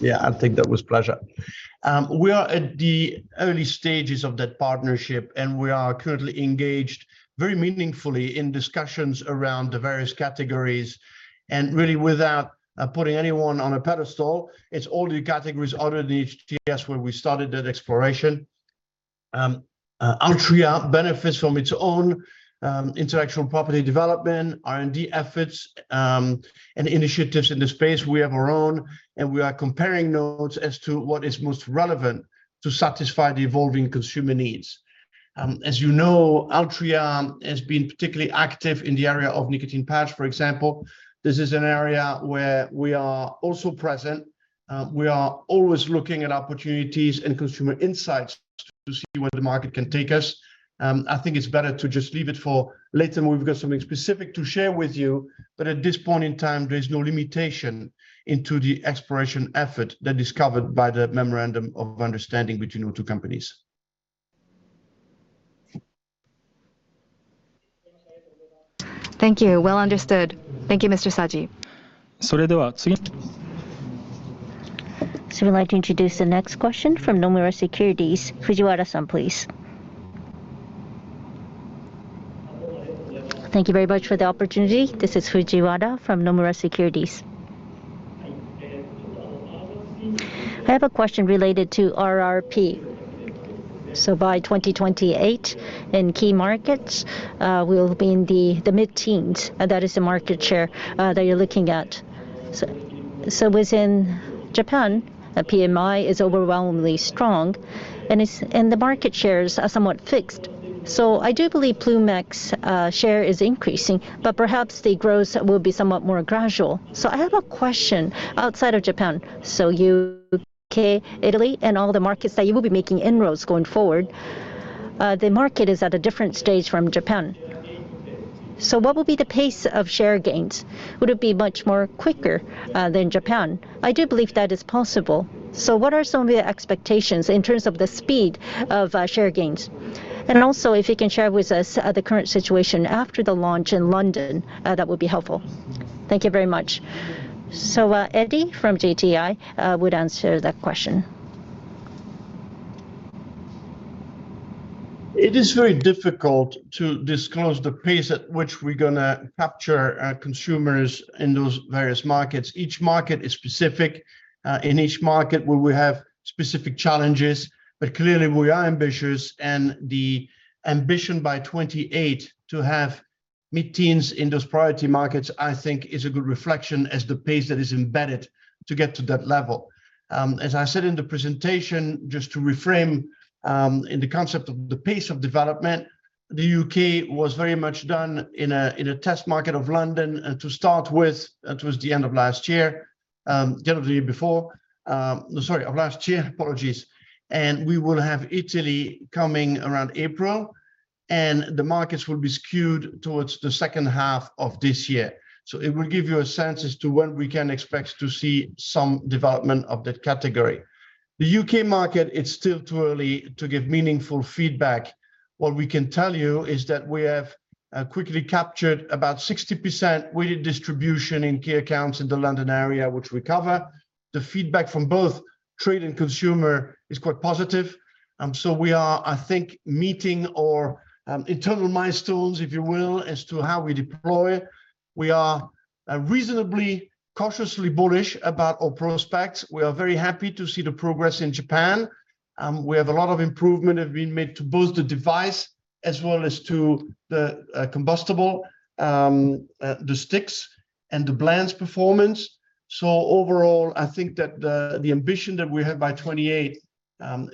Yeah, I think that was Pleasure. We are at the early stages of that partnership, and we are currently engaged very meaningfully in discussions around the various categories. Really without putting anyone on a pedestal, it's all the categories other than HTS where we started that exploration. Altria benefits from its own intellectual property development, R&D efforts, and initiatives in the space. We have our own, and we are comparing notes as to what is most relevant to satisfy the evolving consumer needs. As you know, Altria has been particularly active in the area of nicotine pouch, for example. This is an area where we are also present. We are always looking at opportunities and consumer insights to see where the market can take us. I think it's better to just leave it for later when we've got something specific to share with you. At this point in time, there is no limitation into the exploration effort that is covered by the memorandum of understanding between the two companies. Thank you. Well understood. Thank you, Mr. Saji. We'd like to introduce the next question from Nomura Securities. Fujiwara-san, please. Thank you very much for the opportunity. This is Fujiwara from Nomura Securities. I have a question related to RRP. By 2028 in key markets, we'll be in the mid-teens. That is the market share that you're looking at. Within Japan, PMI is overwhelmingly strong, and the market shares are somewhat fixed. I do believe Ploom X share is increasing, but perhaps the growth will be somewhat more gradual. I have a question outside of Japan. UK, Italy, and all the markets that you will be making inroads going forward, the market is at a different stage from Japan. What will be the pace of share gains? Would it be much more quicker than Japan? I do believe that is possible. What are some of your expectations in terms of the speed of share gains? Also, if you can share with us the current situation after the launch in London, that would be helpful. Thank you very much. Eddy from JTI would answer that question. It is very difficult to disclose the pace at which we're gonna capture consumers in those various markets. Each market is specific. In each market where we have specific challenges, but clearly we are ambitious, and the ambition by 2028 to have mid-teens in those priority markets, I think is a good reflection as the pace that is embedded to get to that level. As I said in the presentation, just to reframe, in the concept of the pace of development, the U.K. was very much done in a test market of London to start with. It was the end of last year, beginning of the year before. No, sorry, of last year. Apologies. We will have Italy coming around April, and the markets will be skewed towards the second half of this year. It will give you a sense as to when we can expect to see some development of that category. The U.K. market, it's still too early to give meaningful feedback. What we can tell you is that we have quickly captured about 60% weighted distribution in key accounts in the London area which we cover. The feedback from both trade and consumer is quite positive. We are, I think, meeting our internal milestones, if you will, as to how we deploy. We are reasonably cautiously bullish about our prospects. We are very happy to see the progress in Japan. We have a lot of improvement have been made to both the device as well as to the combustible sticks and the blends performance. Overall, I think that the ambition that we have by 28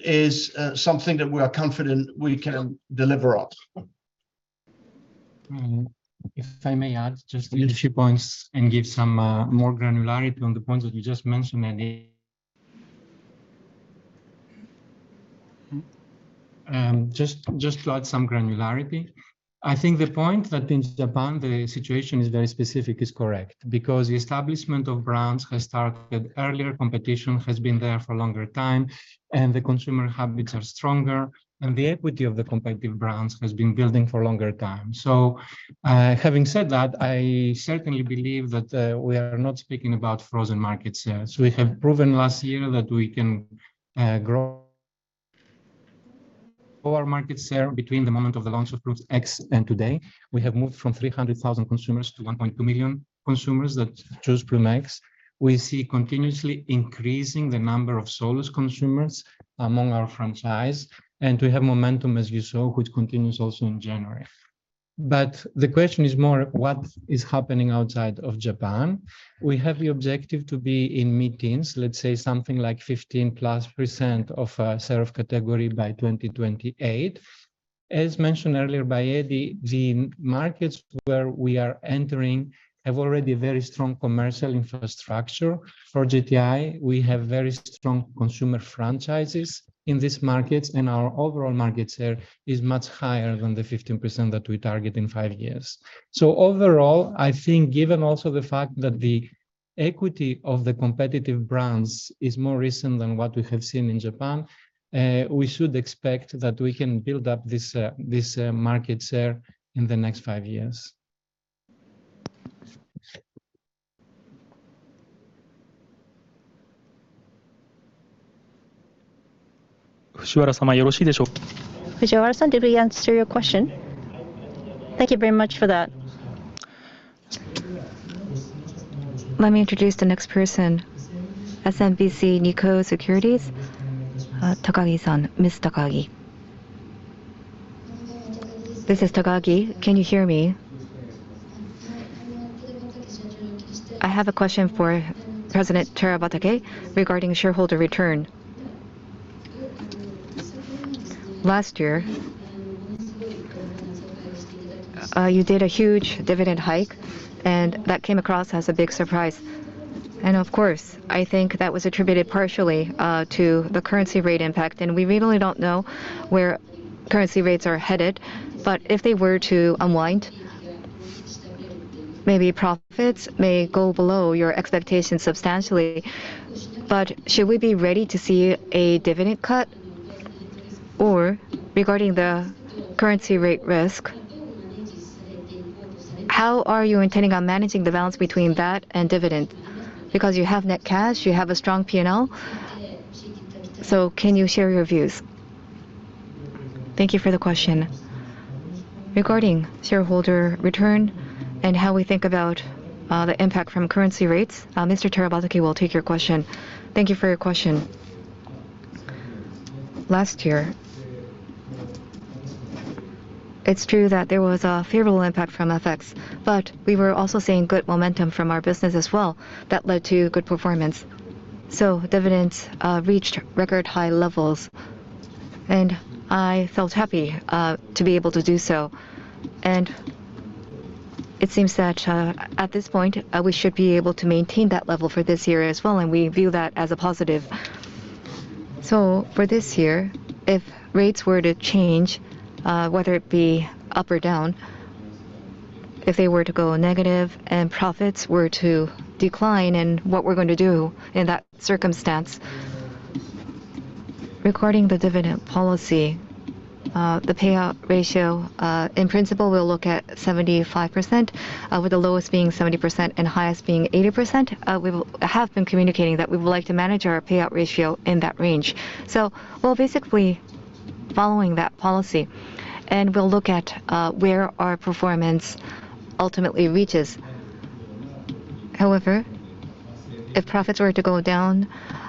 is something that we are confident we can deliver on. If I may add just a few points and give some more granularity on the points that you just mentioned, Eddy. Just to add some granularity. I think the point that in Japan the situation is very specific is correct, because the establishment of brands has started earlier, competition has been there for a longer time, and the consumer habits are stronger, and the equity of the competitive brands has been building for a longer time. Having said that, I certainly believe that we are not speaking about frozen markets here. We have proven last year that we can grow our market share between the moment of the launch of Ploom X and today. We have moved from 300,000 consumers to 1.2 million consumers that choose Ploom X. We see continuously increasing the number of Solus consumers among our franchise. We have momentum, as you saw, which continues also in January. The question is more what is happening outside of Japan. We have the objective to be in meetings, let's say something like 15+% of serve category by 2028. As mentioned earlier by Eddy, the markets where we are entering have already very strong commercial infrastructure. For JTI, we have very strong consumer franchises in these markets, and our overall market share is much higher than the 15% that we target in five years. Overall, I think given also the fact that the equity of the competitive brands is more recent than what we have seen in Japan, we should expect that we can build up this market share in the next five years. Did we answer your question? Thank you very much for that. Let me introduce the next person. SMBC Nikko Securities, Takagi San. Ms. Takagi. This is Takagi. Can you hear me? I have a question for President Terabatake regarding shareholder return. Last year, you did a huge dividend hike, and that came across as a big surprise. Of course, I think that was attributed partially to the currency rate impact, and we really don't know where currency rates are headed. If they were to unwind, maybe profits may go below your expectations substantially. Should we be ready to see a dividend cut? Regarding the currency rate risk, how are you intending on managing the balance between that and dividend? Because you have net cash, you have a strong P&L. Can you share your views? Thank you for the question. Regarding shareholder return and how we think about the impact from currency rates, Mr. Terabatake will take your question. Thank you for your question. Last year, it's true that there was a favorable impact from FX, but we were also seeing good momentum from our business as well that led to good performance. Dividends reached record high levels, and I felt happy to be able to do so. It seems that, at this point, we should be able to maintain that level for this year as well, and we view that as a positive. For this year, if rates were to change, whether it be up or down, if they were to go negative and profits were to decline, and what we're going to do in that circumstance. Regarding the dividend policy, the payout ratio, in principle, we'll look at 75%, with the lowest being 70% and highest being 80%. We have been communicating that we would like to manage our payout ratio in that range. We're basically following that policy, and we'll look at where our performance ultimately reaches. However, if profits were to go down,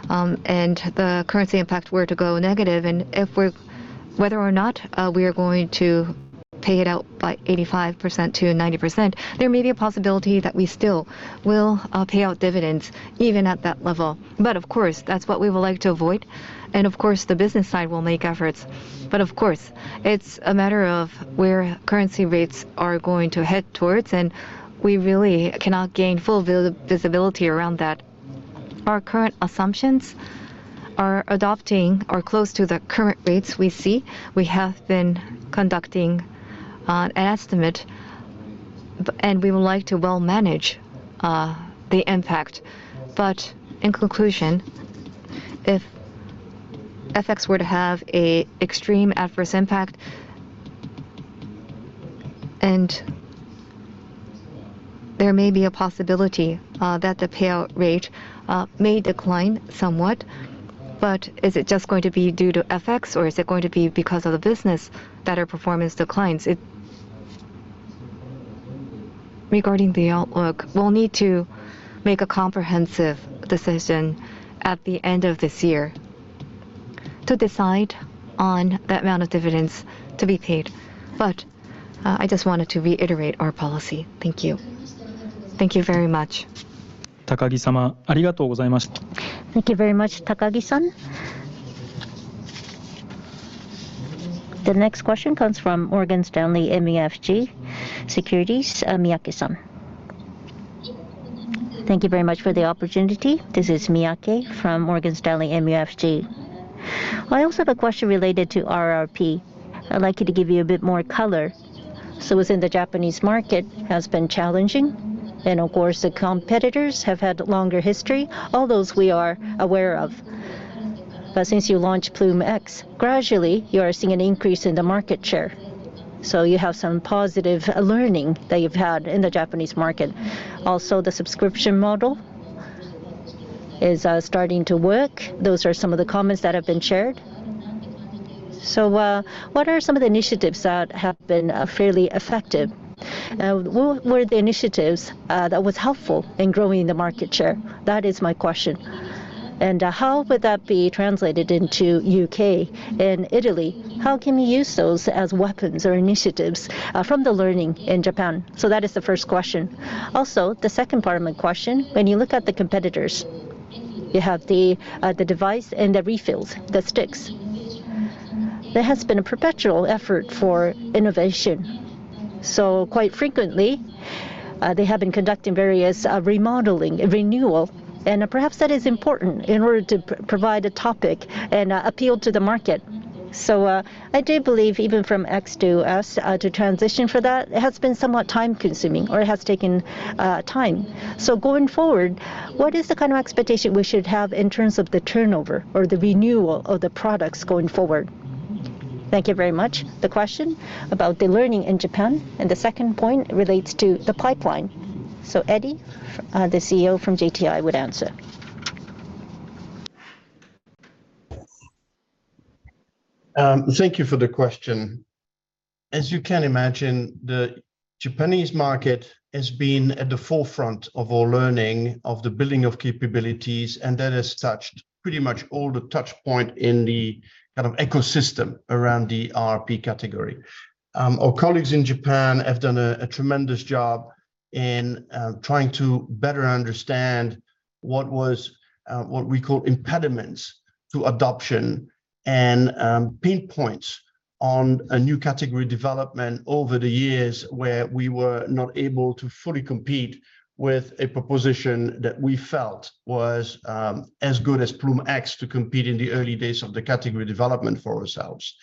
and the currency impact were to go negative, and whether or not we are going to pay it out by 85%-90%, there may be a possibility that we still will pay out dividends even at that level. Of course, that's what we would like to avoid. Of course, the business side will make efforts. Of course, it's a matter of where currency rates are going to head towards, and we really cannot gain full visibility around that. Our current assumptions are adopting or close to the current rates we see. We have been conducting an estimate and we would like to well manage the impact. In conclusion, if FX were to have a extreme adverse impact, and there may be a possibility that the payout rate may decline somewhat. Is it just going to be due to FX or is it going to be because of the business that our performance declines? Regarding the outlook, we'll need to make a comprehensive decision at the end of this year to decide on the amount of dividends to be paid. I just wanted to reiterate our policy. Thank you. Thank you very much. Thank you very much, Takagi-san. The next question comes from Morgan Stanley MUFG Securities, Miyake-san. Thank you very much for the opportunity. This is Miyake from Morgan Stanley MUFG. I also have a question related to RRP. I'd like you to give you a bit more color. Within the Japanese market has been challenging, and of course, the competitors have had longer history. All those we are aware of. Since you launched Ploom X, gradually you are seeing an increase in the market share. You have some positive learning that you've had in the Japanese market. Also, the subscription model is starting to work. Those are some of the comments that have been shared. What are some of the initiatives that have been fairly effective? What were the initiatives that was helpful in growing the market share? That is my question. How would that be translated into U.K. and Italy? How can we use those as weapons or initiatives from the learning in Japan? That is the first question. Also, the second part of my question, when you look at the competitors, you have the device and the refills, the sticks. There has been a perpetual effort for innovation. Quite frequently, they have been conducting various remodeling, renewal, and perhaps that is important in order to provide a topic and appeal to the market. I do believe even from X to us to transition for that has been somewhat time-consuming or has taken time. Going forward, what is the kind of expectation we should have in terms of the turnover or the renewal of the products going forward? Thank you very much. The question about the learning in Japan, and the second point relates to the pipeline. Eddy, the CEO from JTI would answer. Thank you for the question. As you can imagine, the Japanese market has been at the forefront of all learning, of the building of capabilities, and that has touched pretty much all the touch point in the kind of ecosystem around the RRP category. Our colleagues in Japan have done a tremendous job in trying to better understand what was what we call impediments to adoption and pain points on a new category development over the years where we were not able to fully compete with a proposition that we felt was as good as Ploom X to compete in the early days of the category development for ourselves.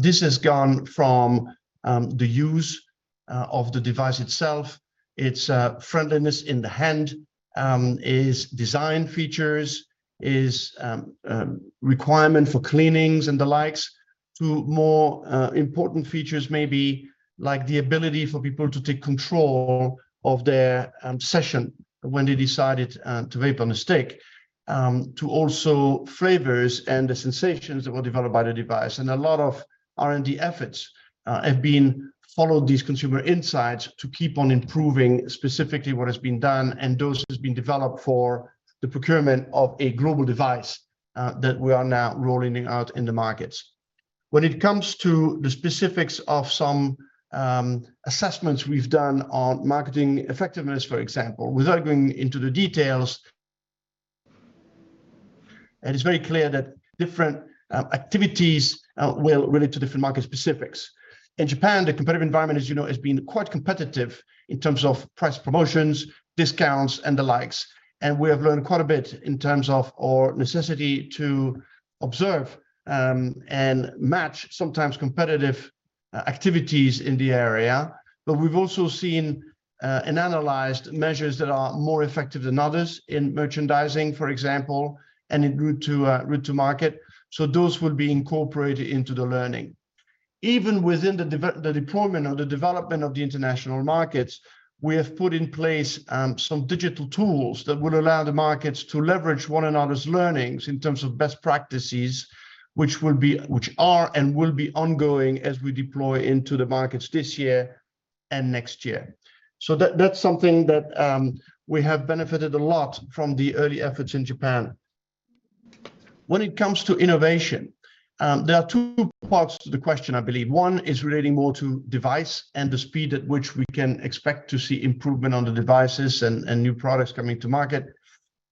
This has gone from the use of the device itself, its friendliness in the hand, its design features, its requirement for cleanings and the likes, to more important features maybe like the ability for people to take control of their session when they decided to vape on a stick, to also flavors and the sensations that were developed by the device. A lot of R&D efforts have been followed these consumer insights to keep on improving specifically what has been done, and those has been developed for the procurement of a global device that we are now rolling out in the markets. When it comes to the specifics of some assessments we've done on marketing effectiveness, for example, without going into the details, it is very clear that different activities will relate to different market specifics. In Japan, the competitive environment, as you know, has been quite competitive in terms of price promotions, discounts, and the likes. We have learned quite a bit in terms of our necessity to observe and match sometimes competitive activities in the area. We've also seen and analyzed measures that are more effective than others in merchandising, for example, and in route to market. Those would be incorporated into the learning. Even within the deployment or the development of the international markets, we have put in place some digital tools that would allow the markets to leverage one another's learnings in terms of best practices, which are and will be ongoing as we deploy into the markets this year and next year. That's something that we have benefited a lot from the early efforts in Japan. When it comes to innovation, there are two parts to the question, I believe. One is relating more to device and the speed at which we can expect to see improvement on the devices and new products coming to market.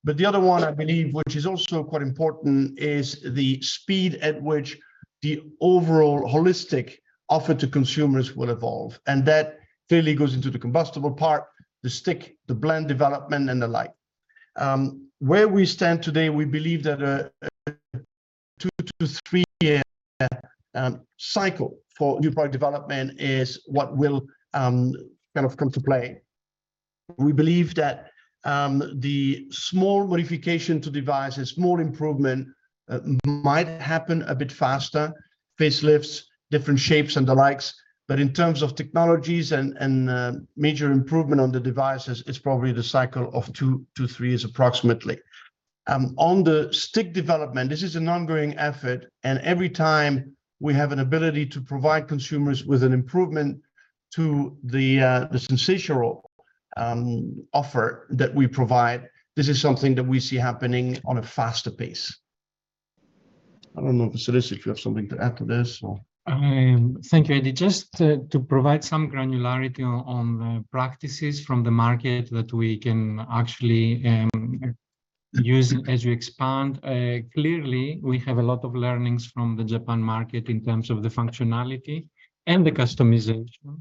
The other one, I believe, which is also quite important, is the speed at which the overall holistic offer to consumers will evolve, and that clearly goes into the combustible part, the stick, the blend development, and the like. Where we stand today, we believe that a two year to three-year cycle for new product development is what will kind of come to play. We believe that the small modification to devices, small improvement might happen a bit faster, facelifts, different shapes, and the likes. In terms of technologies and major improvement on the devices, it's probably the cycle of two years to three years approximately. On the stick development, this is an ongoing effort, and every time we have an ability to provide consumers with an improvement to the sensational offer that we provide, this is something that we see happening on a faster pace. I don't know if, Vassilis, if you have something to add to this or? Thank you, Eddy. Just to provide some granularity on the practices from the market that we can actually. Use as you expand. Clearly, we have a lot of learnings from the Japan market in terms of the functionality and the customization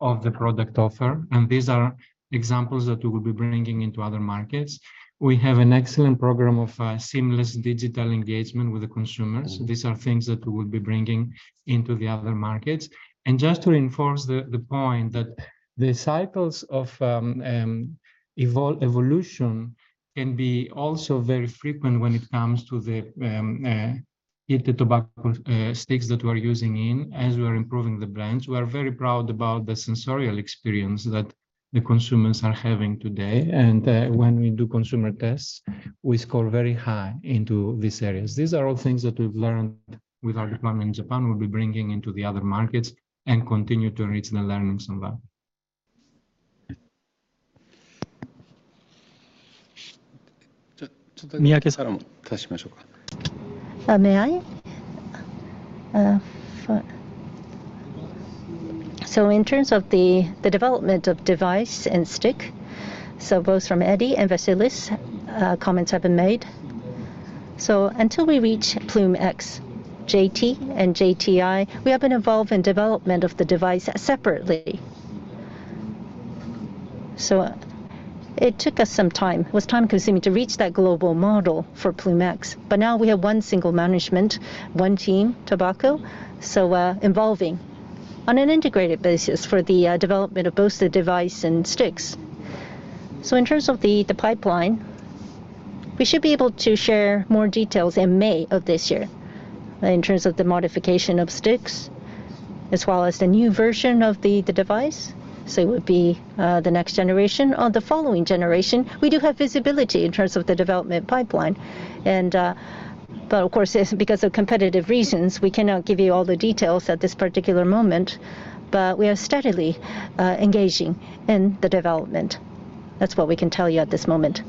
of the product offer, and these are examples that we will be bringing into other markets. We have an excellent program of seamless digital engagement with the consumers. These are things that we will be bringing into the other markets. Just to reinforce the point that the cycles of evolution can be also very frequent when it comes to the heated tobacco sticks that we're using in as we are improving the brands. We are very proud about the sensorial experience that the consumers are having today. When we do consumer tests, we score very high into these areas. These are all things that we've learned with our deployment in Japan, we'll be bringing into the other markets and continue to enrich the learnings on that. May I? In terms of the development of device and stick, both from Eddy and Vasilis, comments have been made. Until we reach Ploom X JT and JTI, we have been involved in development of the device separately. It took us some time. It was time-consuming to reach that global model for Ploom X. Now we have one single management, one team, tobacco, involving on an integrated basis for the development of both the device and sticks. In terms of the pipeline, we should be able to share more details in May of this year in terms of the modification of sticks as well as the new version of the device. It would be the next generation or the following generation. We do have visibility in terms of the development pipeline. Of course, as because of competitive reasons, we cannot give you all the details at this particular moment, but we are steadily engaging in the development. That's what we can tell you at this moment.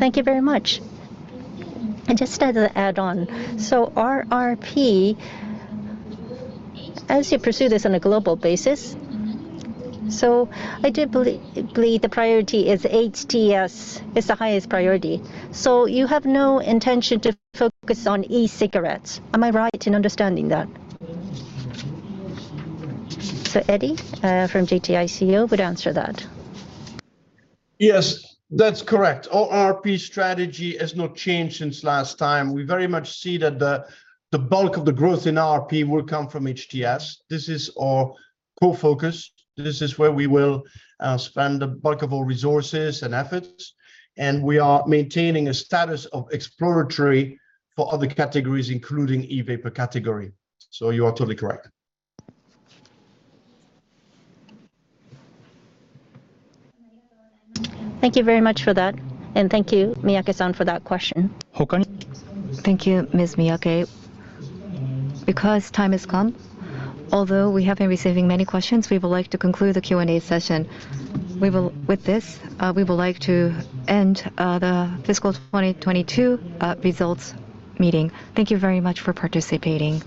Thank you very much. Just as add on, RRP, as you pursue this on a global basis, I do believe the priority is HTS is the highest priority. You have no intention to focus on e-cigarettes. Am I right in understanding that? Eddy, from JTI, would answer that. Yes, that's correct. RRP strategy has not changed since last time. We very much see that the bulk of the growth in RRP will come from HTS. This is our core focus. This is where we will spend the bulk of our resources and efforts, and we are maintaining a status of exploratory for other categories, including E-Vapor category. You are totally correct. Thank you very much for that, and thank you, Miyake-san, for that question. Thank you, Ms. Miyake. Time has come, although we have been receiving many questions, we would like to conclude the Q&A session. With this, we would like to end the fiscal 2022 results meeting. Thank you very much for participating.